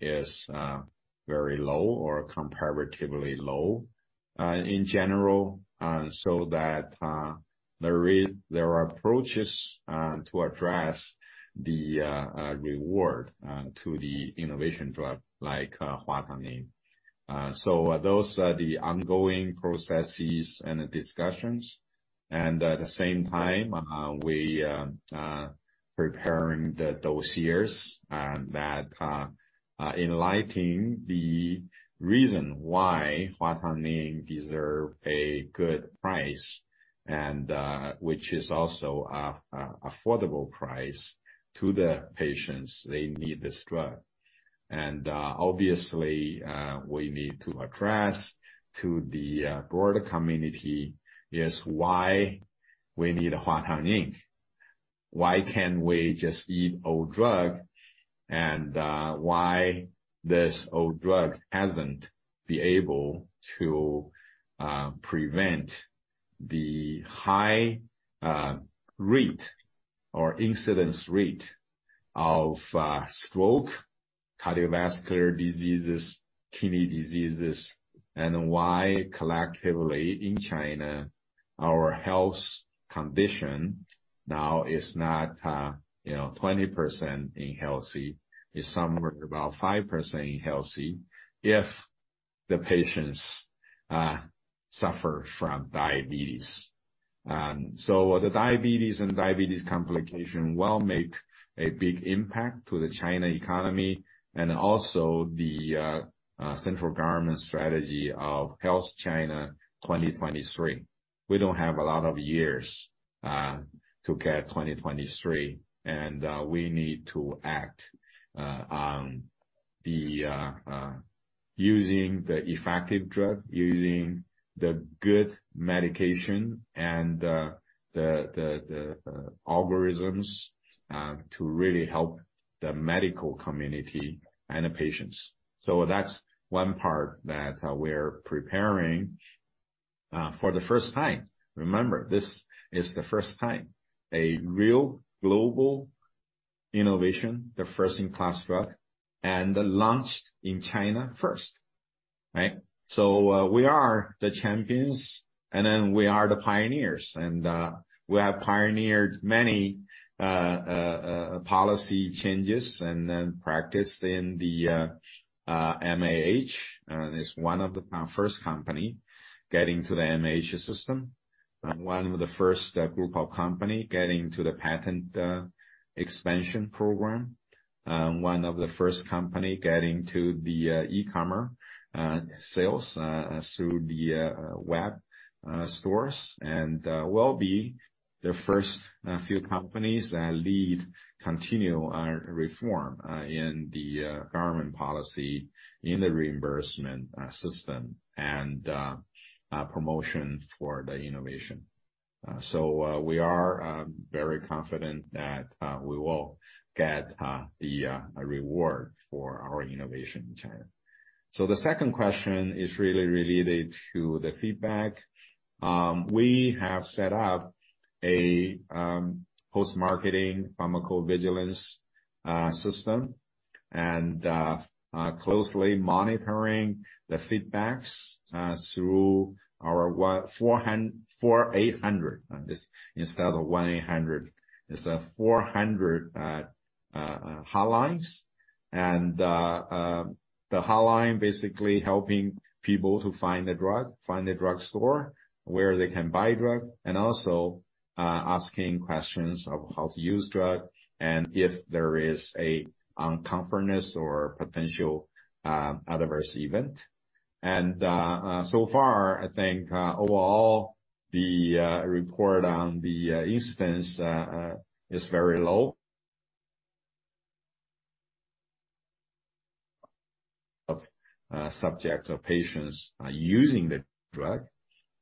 is very low or comparatively low in general, so that there are approaches to address the reward to the innovation drug like HuaTangNing. Those are the ongoing processes and the discussions. At the same time, we preparing the dossiers that enlightening the reason why HuaTangNing deserve a good price and which is also affordable price to the patients, they need this drug. Obviously, we need to address to the broader community is why we need HuaTangNing. Why can't we just eat old drug and why this old drug hasn't been able to prevent the high rate or incidence rate of stroke, cardiovascular diseases, kidney diseases, and why collectively in China, our health condition now is not, you know, 20% being healthy. It's somewhere about 5% being healthy if the patients suffer from diabetes. The diabetes and diabetes complication will make a big impact to the China economy and also the central government strategy of Healthy China 2030. We don't have a lot of years to get 2023, and we need to act on the using the effective drug, using the good medication and the algorithms to really help the medical community and the patients. That's 1 part that we're preparing for the first time. Remember, this is the first time a real global innovation, the first-in-class drug and launched in China first, right? We are the champions, we are the pioneers. We have pioneered many policy changes practiced in the MAH. Is one of the first company getting to the MAH system, one of the first group of company getting to the patent expansion program, one of the first company getting to the e-commerce sales through the web stores, will be the first few companies that lead continual reform in the government policy, in the reimbursement system and promotion for the innovation. We are very confident that we will get the reward for our innovation in China. The 2nd question is really related to the feedback. We have set up a post-marketing pharmacovigilance system and closely monitoring the feedbacks through our 4800, this instead of 1800, it's a 400 hotlines. The hotline basically helping people to find the drug, find the drug store where they can buy drug, and also asking questions of how to use drug and if there is an uncomfortness or potential adverse event. So far, I think overall, the report on the instance is very low of subjects or patients using the drug.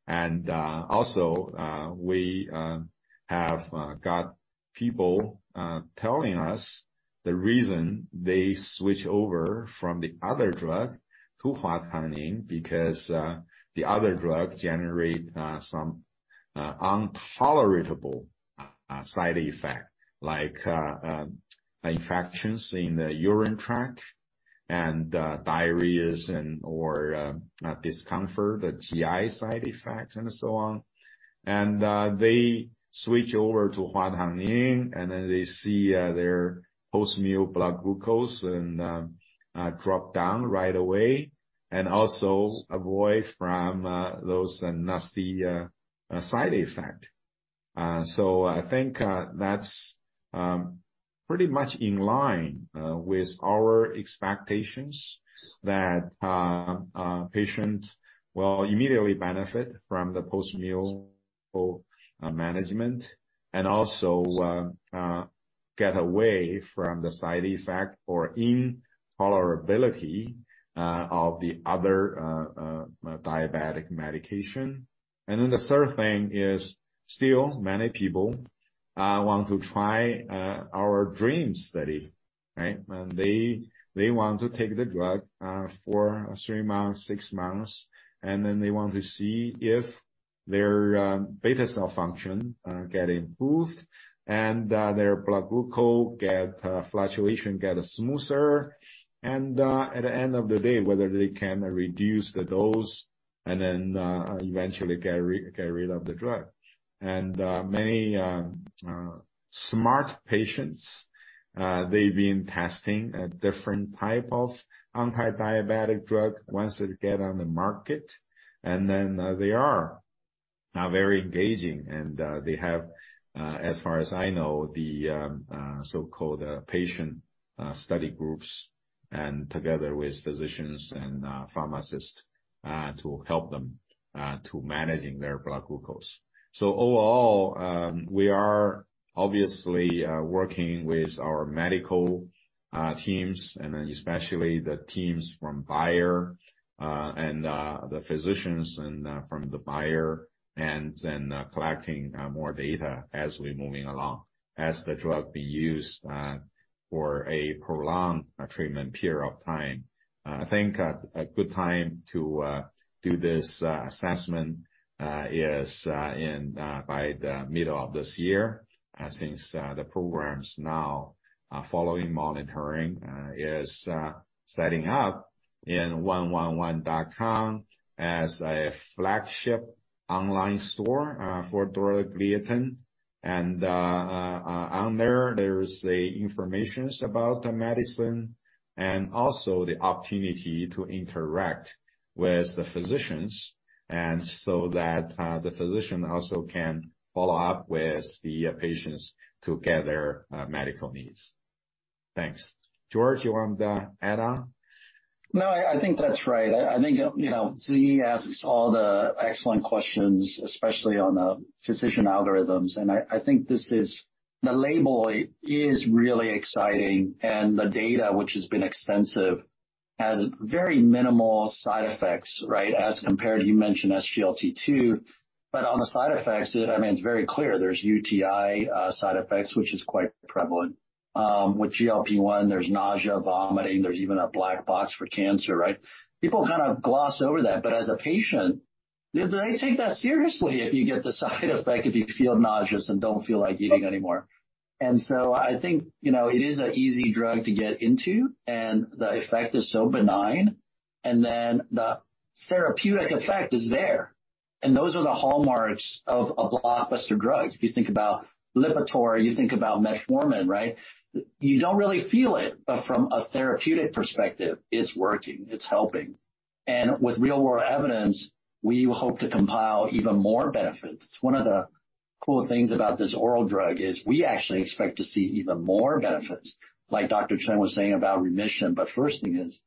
Also, we have got people telling us the reason they switch over from the other drug to HuaTangNing because the other drug generate some intolerable side effect, like infections in the urine tract and diarrheas and or discomfort, the GI side effects and so on. They switch over to HuaTangNing, and then they see their post-meal blood glucose and drop down right away and also avoid from those nasty side effect. I think that's pretty much in line with our expectations that patient will immediately benefit from the post-meal management and also get away from the side effect or intolerability of the other diabetic medication. The third thing is still many people want to try our DREAM study, right? They want to take the drug for 3 months, 6 months, and then they want to see if their beta cell function get improved and their blood glucose fluctuation get smoother and at the end of the day, whether they can reduce the dose and then eventually get rid of the drug. Many smart patients, they've been testing a different type of antidiabetic drug once it get on the market and then they are very engaging and they have, as far as I know, the so-called patient study groups and together with physicians and pharmacists to help them to managing their blood glucose. Overall, we are obviously working with our medical teams and then especially the teams from Bayer, and the physicians and from the Bayer, and then collecting more data as we're moving along, as the drug be used for a prolonged treatment period of time. I think a good time to do this assessment is in by the middle of this year, since the programs now are following monitoring is setting up in 111.com as a flagship online store for dorzagliatin. On there's the informations about the medicine and also the opportunity to interact with the physicians and so that the physician also can follow up with the patients to get their medical needs. Thanks. George, you want to add on? I think that's right. I think, you know, Zhiyi asks all the excellent questions, especially on the physician algorithms. I think the label is really exciting, and the data, which has been extensive, has very minimal side effects, right, as compared, you mentioned SGLT2. On the side effects, I mean, it's very clear there's UTI side effects, which is quite prevalent. With GLP-1, there's nausea, vomiting, there's even a black box for cancer, right? People kind of gloss over that, but as a patient, you take that seriously if you get the side effect, if you feel nauseous and don't feel like eating anymore. I think, you know, it is an easy drug to get into and the effect is so benign, and then the therapeutic effect is there. Those are the hallmarks of a blockbuster drug. If you think about Lipitor, you think about metformin, right? You don't really feel it, but from a therapeutic perspective, it's working, it's helping. With real world evidence, we hope to compile even more benefits. One of the cool things about this oral drug is we actually expect to see even more benefits, like Dr. Chen was saying about remission. First thing is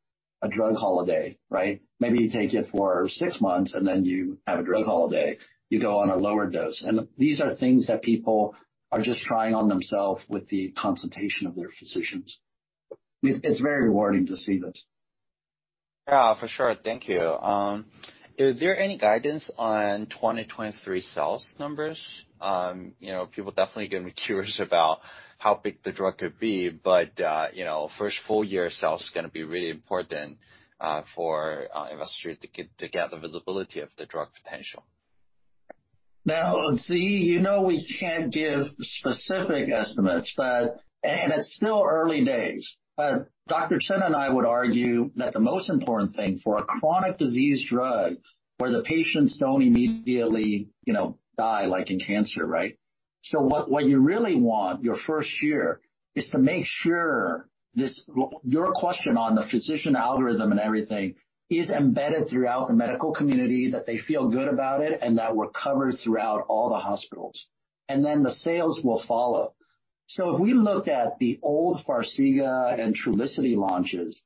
a drug holiday, right? Maybe you take it for 6 months and then you have a drug holiday, you go on a lower dose. These are things that people are just trying on themselves with the consultation of their physicians. It's very rewarding to see this. For sure. Thank you. Is there any guidance on 2023 sales numbers? You know, people definitely gonna be curious about how big the drug could be, but, you know, 1st full year sales is gonna be really important for investors to get the visibility of the drug potential. Ziyi, you know we can't give specific estimates that. It's still early days. Dr. Chen and I would argue that the most important thing for a chronic disease drug where the patients don't immediately, you know, die like in cancer, right? What you really want your 1st year is to make sure your question on the physician algorithm and everything is embedded throughout the medical community, that they feel good about it, and that we're covered throughout all the hospitals, and then the sales will follow. If we look at the old Farxiga and Trulicity launches,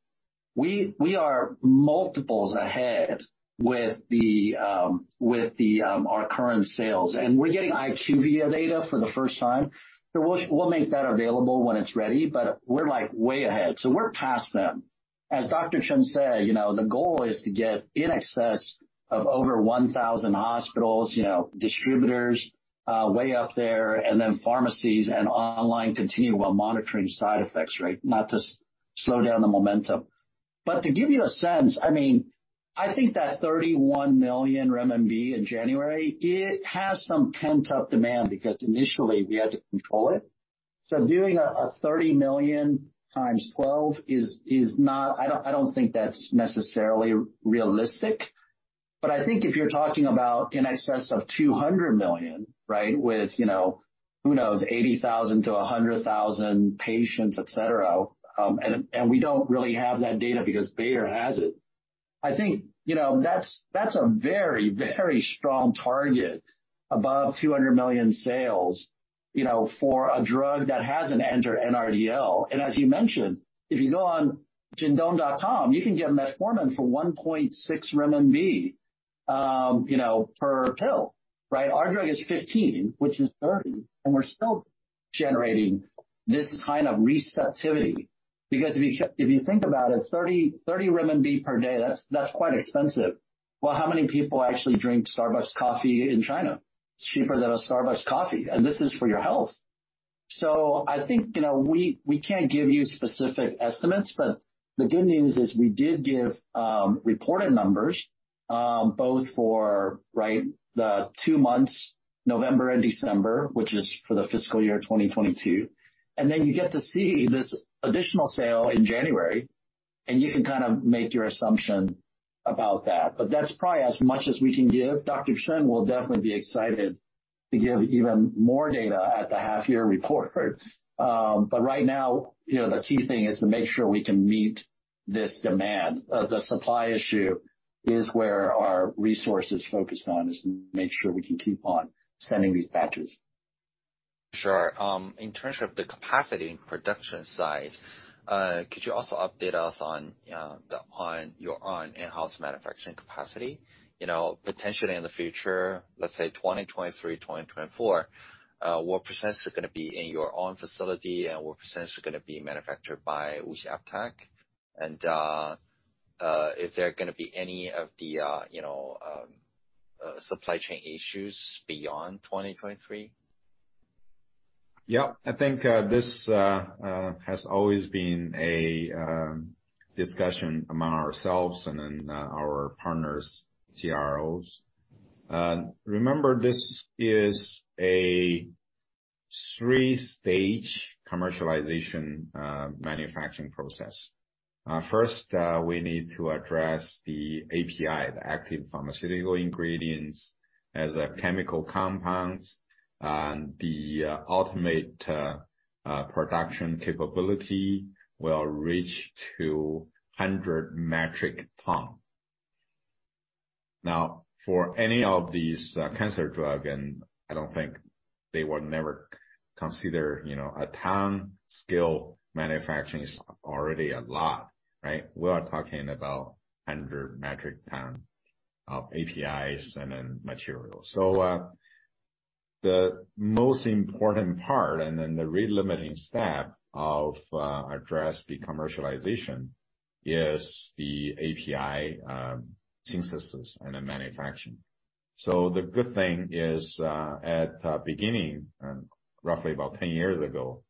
we are multiples ahead with our current sales. We're getting IQVIA data for the first time. We'll make that available when it's ready, but we're like way ahead, we're past them. As Dr. Chen said, you know, the goal is to get in excess of over 1,000 hospitals, you know, distributors, way up there, and then pharmacies and online continue while monitoring side effects, right? Not to slow down the momentum. To give you a sense, I mean, I think that 31 million RMB in January, it has some pent-up demand because initially we had to control it. Doing a 30 million times 12 is not. I don't think that's necessarily realistic. I think if you're talking about in excess of 200 million, right? With, you know, who knows, 80,000 to 100,000 patients, et cetera, and we don't really have that data because Bayer has it. I think, you know, that's a very, very strong target, above 200 million sales, you know, for a drug that hasn't entered NRDL. As you mentioned, if you go on Jingdong.com, you can get metformin for 1.6 RMB, you know, per pill, right? Our drug is 15, which is 30, and we're still generating this kind of receptivity. If you think about it, 30 per day, that's quite expensive. How many people actually drink Starbucks coffee in China? It's cheaper than a Starbucks coffee, and this is for your health. I think, you know, we can't give you specific estimates, but the good news is we did give reported numbers, both for, right, the 2 months, November and December, which is for the fiscal year 2022. You get to see this additional sale in January, and you can kind of make your assumption about that. That's probably as much as we can give. Dr. Chen will definitely be excited to give even more data at the half year report. Right now, you know, the key thing is to make sure we can meet this demand. The supply issue is where our resources focused on, is to make sure we can keep on sending these batches. Sure. In terms of the capacity and production side, could you also update us on your own in-house manufacturing capacity? You know, potentially in the future, let's say 2023, 2024, what percentage is gonna be in your own facility and what percentage is gonna be manufactured by WuXi AppTec? Is there gonna be any of the, you know, supply chain issues beyond 2023? I think this has always been a discussion among ourselves and then our partners, CROs. Remember this is a 3-stage commercialization manufacturing process. First, we need to address the API, the active pharmaceutical ingredients as a chemical compounds, and the ultimate production capability will reach 200 metric ton. For any of these cancer drug, and I don't think they will never consider, you know, a ton scale manufacturing is already a lot, right? We are talking about 100 metric ton of APIs and then materials. The most important part and then the really limiting step of address the commercialization is the API synthesis and then manufacturing. The good thing is, at beginning, roughly about 10 years ago,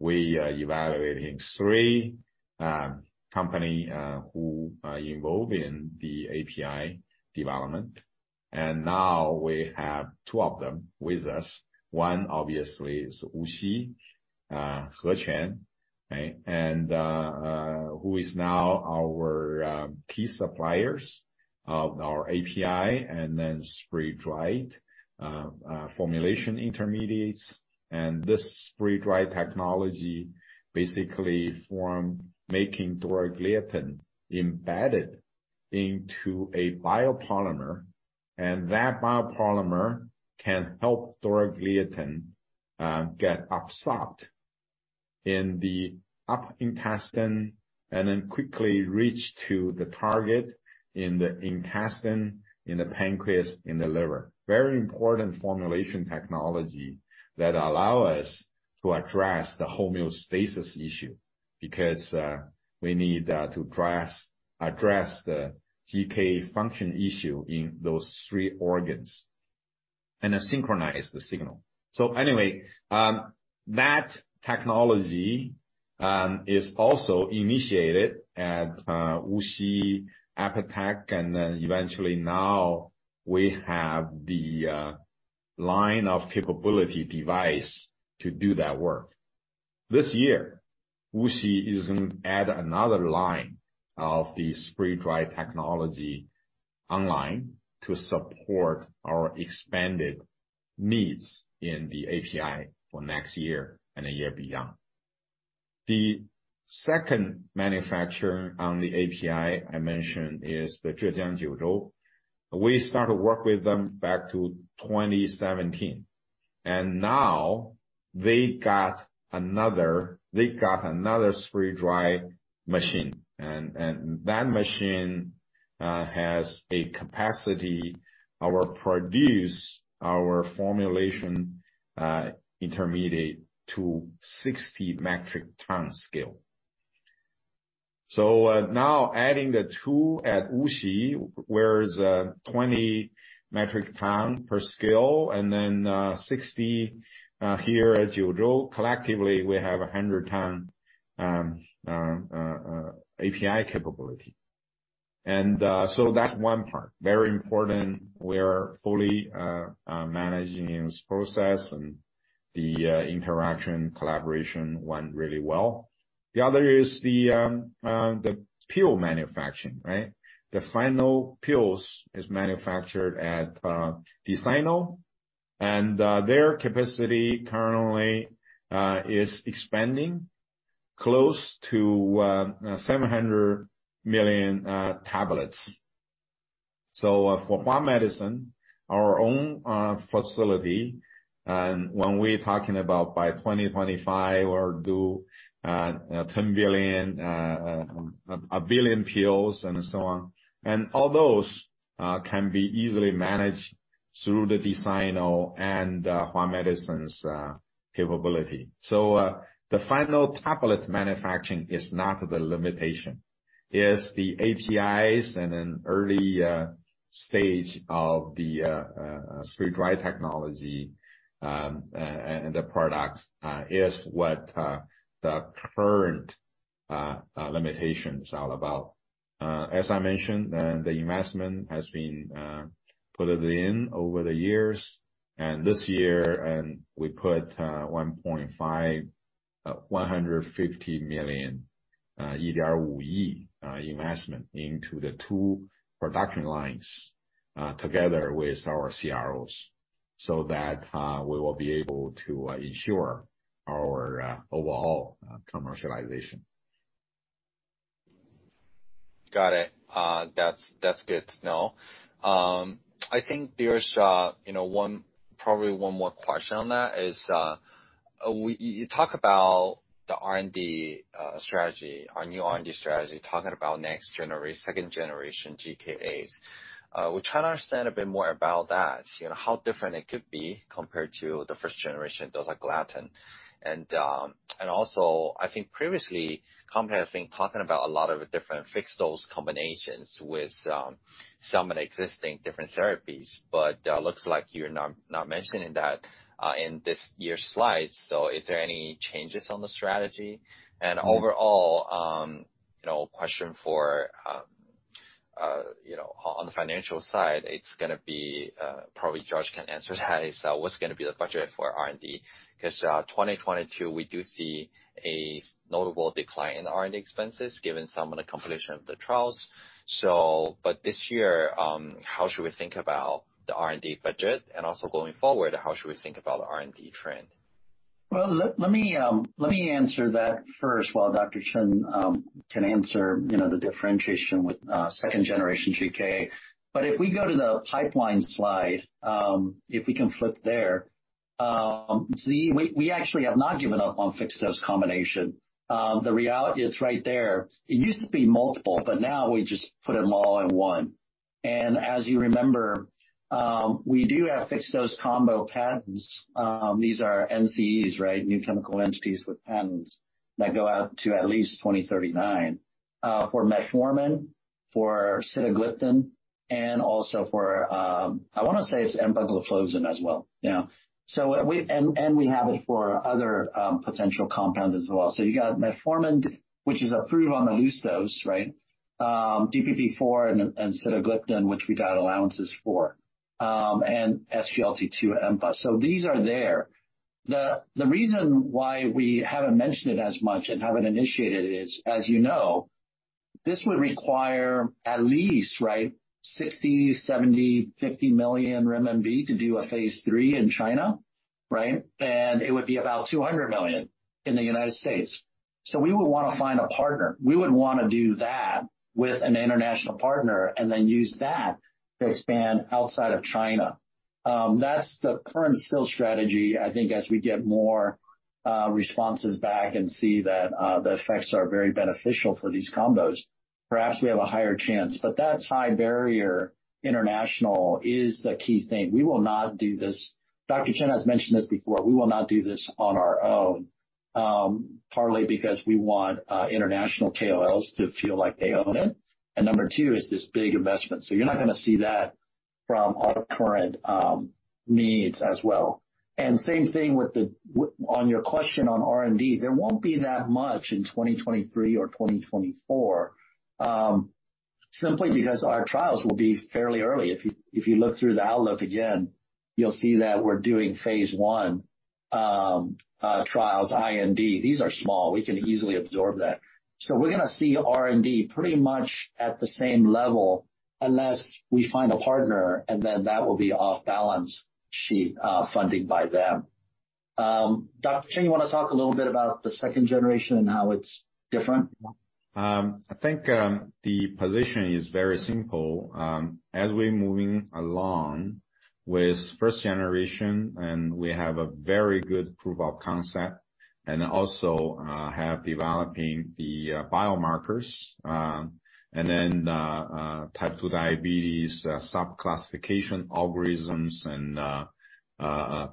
we evaluating 3 company who are involved in the API development, and now we have 2 of them with us. 1 obviously is WuXi Hequan, right? Who is now our key suppliers of our API and then spray-dried formulation intermediates. This spray-dry technology basically form making dorzagliatin embedded into a biopolymer, and that biopolymer can help dorzagliatin get absorbed in the upper intestine and then quickly reach to the target in the intestine, in the pancreas, in the liver. Very important formulation technology that allow us to address the homeostasis issue because we need to address the GK function issue in those 3 organs and then synchronize the signal. That technology is also initiated at WuXi AppTec, and then eventually now we have the line of capability device to do that work. This year, WuXi is going to add another line of the spray dry technology online to support our expanded needs in the API for next year and the year beyond. The 2nd manufacturer on the API I mentioned is the Zhejiang Jiuzhou. We started work with them back to 2017, now they got another spray dry machine. That machine has a capacity or produce our formulation intermediate to 60 metric ton scale. Now adding the 2 at WuXi, where is 20 metric ton per scale, and then 60 here at Jiuzhou, collectively, we have a 100 ton API capability. That's 1 part, very important. We're fully managing this process and the interaction, collaboration went really well. The other is the pill manufacturing, right? The final pills is manufactured at Desano, and their capacity currently is expanding close to 700 million tablets. For Hua Medicine, our own facility, and when we're talking about by 2025 or do 10 billion, 1 billion pills and so on, and all those can be easily managed through the Desano and Hua Medicine's capability. The final tablet manufacturing is not the limitation. It's the APIs and an early stage of the spray dry technology, and the products is what the current limitations all about. As I mentioned, the investment has been put it in over the years. This year, we put 15 billion investment into the 2 production lines, together with our CROs, so that we will be able to ensure our overall commercialization. Got it. That's, that's good to know. I think there's, you know, probably 1 more question on that is, you talk about the R&D strategy, our new R&D strategy, talking about next generation, 2nd generation GKAs. We try to understand a bit more about that, you know, how different it could be compared to the 1st generation dorzagliatin. Also, I think previously, company has been talking about a lot of different fixed-dose combinations with some of the existing different therapies. Looks like you're not mentioning that in this year's slides. Is there any changes on the strategy? Overall, you know, question for, you know, on the financial side, it's gonna be, probably Josh can answer that, is what's gonna be the budget for R&D? 2022, we do see a notable decline in R&D expenses given some of the completion of the trials. This year, how should we think about the R&D budget? Going forward, how should we think about the R&D trend? Well, let me answer that first while Dr. Chen can answer, you know, the differentiation with 2nd generation GKA. If we go to the pipeline slide, if we can flip there, Xie, we actually have not given up on fixed-dose combination. The reality is right there. It used to be multiple, but now we just put them all in 1. As you remember, we do have fixed-dose combo patents. These are NCEs, right? New chemical entities with patents that go out to at least 2039 for metformin, for sitagliptin, and also for, I wanna say it's empagliflozin as well. We have it for other potential compounds as well. You got metformin, which is approved on the loose dose, right? DPP4 and sitagliptin, which we got allowances for, and SGLT2 and empagliflozin. These are there. The reason why we haven't mentioned it as much and haven't initiated it is, as you know, this would require at least, right, 60, 70, 50 million RMB to do a phase III in China, right? It would be about $200 million in the United States. We would wanna find a partner. We would wanna do that with an international partner and then use that to expand outside of China. That's the current still strategy. I think as we get more responses back and see that the effects are very beneficial for these combos, perhaps we have a higher chance. That high barrier international is the key thing. We will not do this. Dr. Chen has mentioned this before. We will not do this on our own, partly because we want international KOLs to feel like they own it, and number 2 is this big investment. You're not gonna see that from our current needs as well. Same thing on your question on R&D. There won't be that much in 2023 or 2024. Simply because our trials will be fairly early. If you, if you look through the outlook again, you'll see that we're doing phase I trials, IND. These are small. We can easily absorb that. We're gonna see R&D pretty much at the same level unless we find a partner and then that will be off balance sheet funding by them. Dr. Chen, you wanna talk a little bit about the 2nd generation and how it's different? I think the position is very simple. As we're moving along with 1st generation, and we have a very good proof of concept, and also have developing the biomarkers, and then type 2 diabetes sub classification algorithms and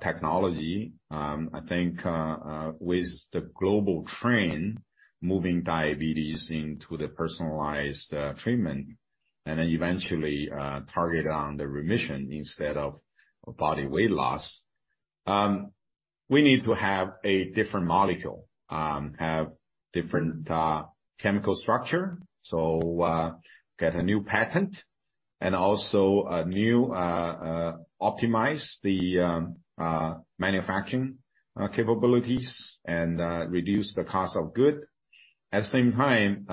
technology. I think with the global trend moving diabetes into the personalized treatment and then eventually target on the remission instead of body weight loss, we need to have a different molecule, have different chemical structure, so get a new patent and also a new optimize the manufacturing capabilities and reduce the cost of good. At the same time,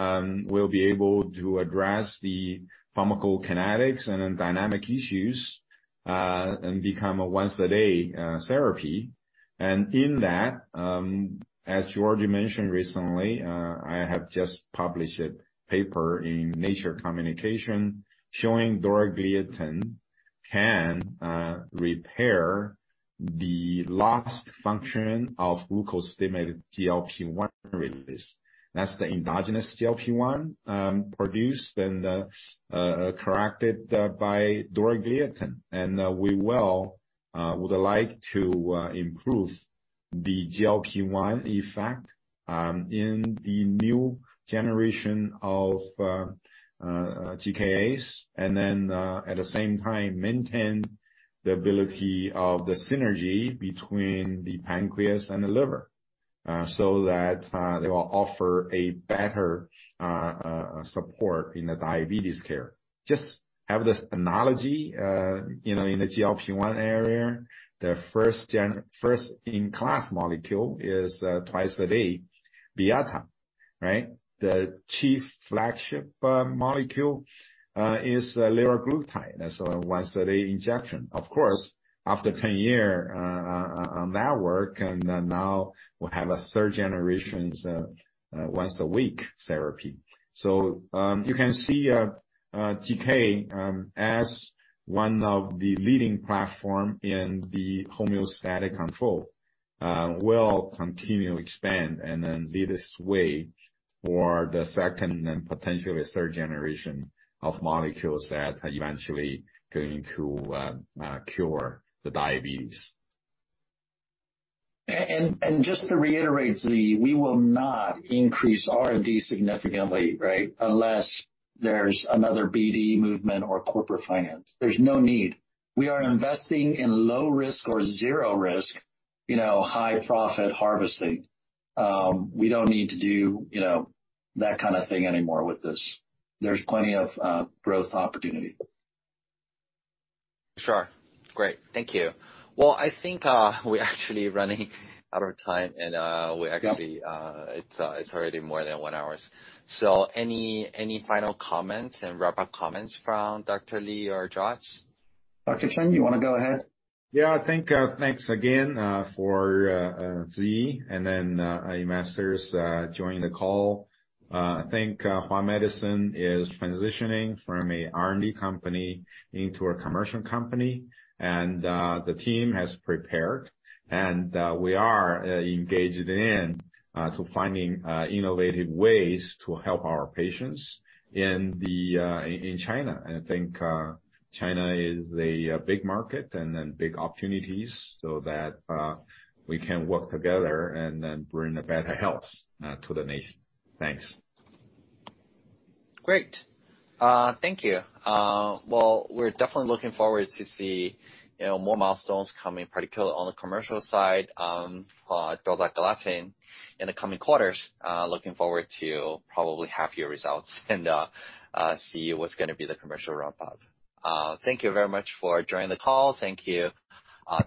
we'll be able to address the pharmacokinetics and dynamic issues and become a once a day therapy. In that, as George mentioned recently, I have just published a paper in Nature Communications showing dorzagliatin can repair the lost function of glucose-stimulated GLP-1 release. That's the endogenous GLP-1, produced and corrected by dorzagliatin. We would like to improve the GLP-1 effect in the new generation of GKAs, and then at the same time maintain the ability of the synergy between the pancreas and the liver, so that they will offer a better support in the diabetes care. Just have this analogy, you know, in the GLP-1 area, the first in class molecule is twice a day Byetta, right? The chief flagship molecule is liraglutide. That's a once a day injection. Of course, after 10 year on that work and then now we have a 3rd generation once a week therapy. You can see GK as one of the leading platform in the homeostatic control will continue to expand and then lead a sway for the 2nd and potentially a 3rd generation of molecules that are eventually going to cure the diabetes. Just to reiterate, Zhi, we will not increase R&D significantly, right? Unless there's another BD movement or corporate finance. There's no need. We are investing in low risk or 0 risk, you know, high profit harvesting. We don't need to do, you know, that kind of thing anymore with this. There's plenty of growth opportunity. Sure. Great. Thank you. Well, I think, we're actually running out of time and, we actually, it's already more than 1 hours. Any final comments and wrap up comments from Dr. Li or George? Dr. Chen, you wanna go ahead? I think, thanks again, for Zhi and then investors joining the call. I think Hua Medicine is transitioning from a R&D company into a commercial company, and the team has prepared, and we are engaged in finding innovative ways to help our patients in China. I think China is a big market and then big opportunities so that we can work together and then bring a better health to the nation. Thanks. Great. Thank you. Well, we're definitely looking forward to see, you know, more milestones coming, particularly on the commercial side, for dorzagliatin in the coming quarters. Looking forward to probably half year results and, see what's gonna be the commercial wrap up. Thank you very much for joining the call. Thank you,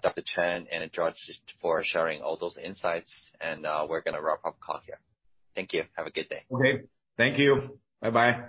Dr. Chen and George for sharing all those insights. We're gonna wrap up call here. Thank you. Have a good day. Okay. Thank you. Bye-bye.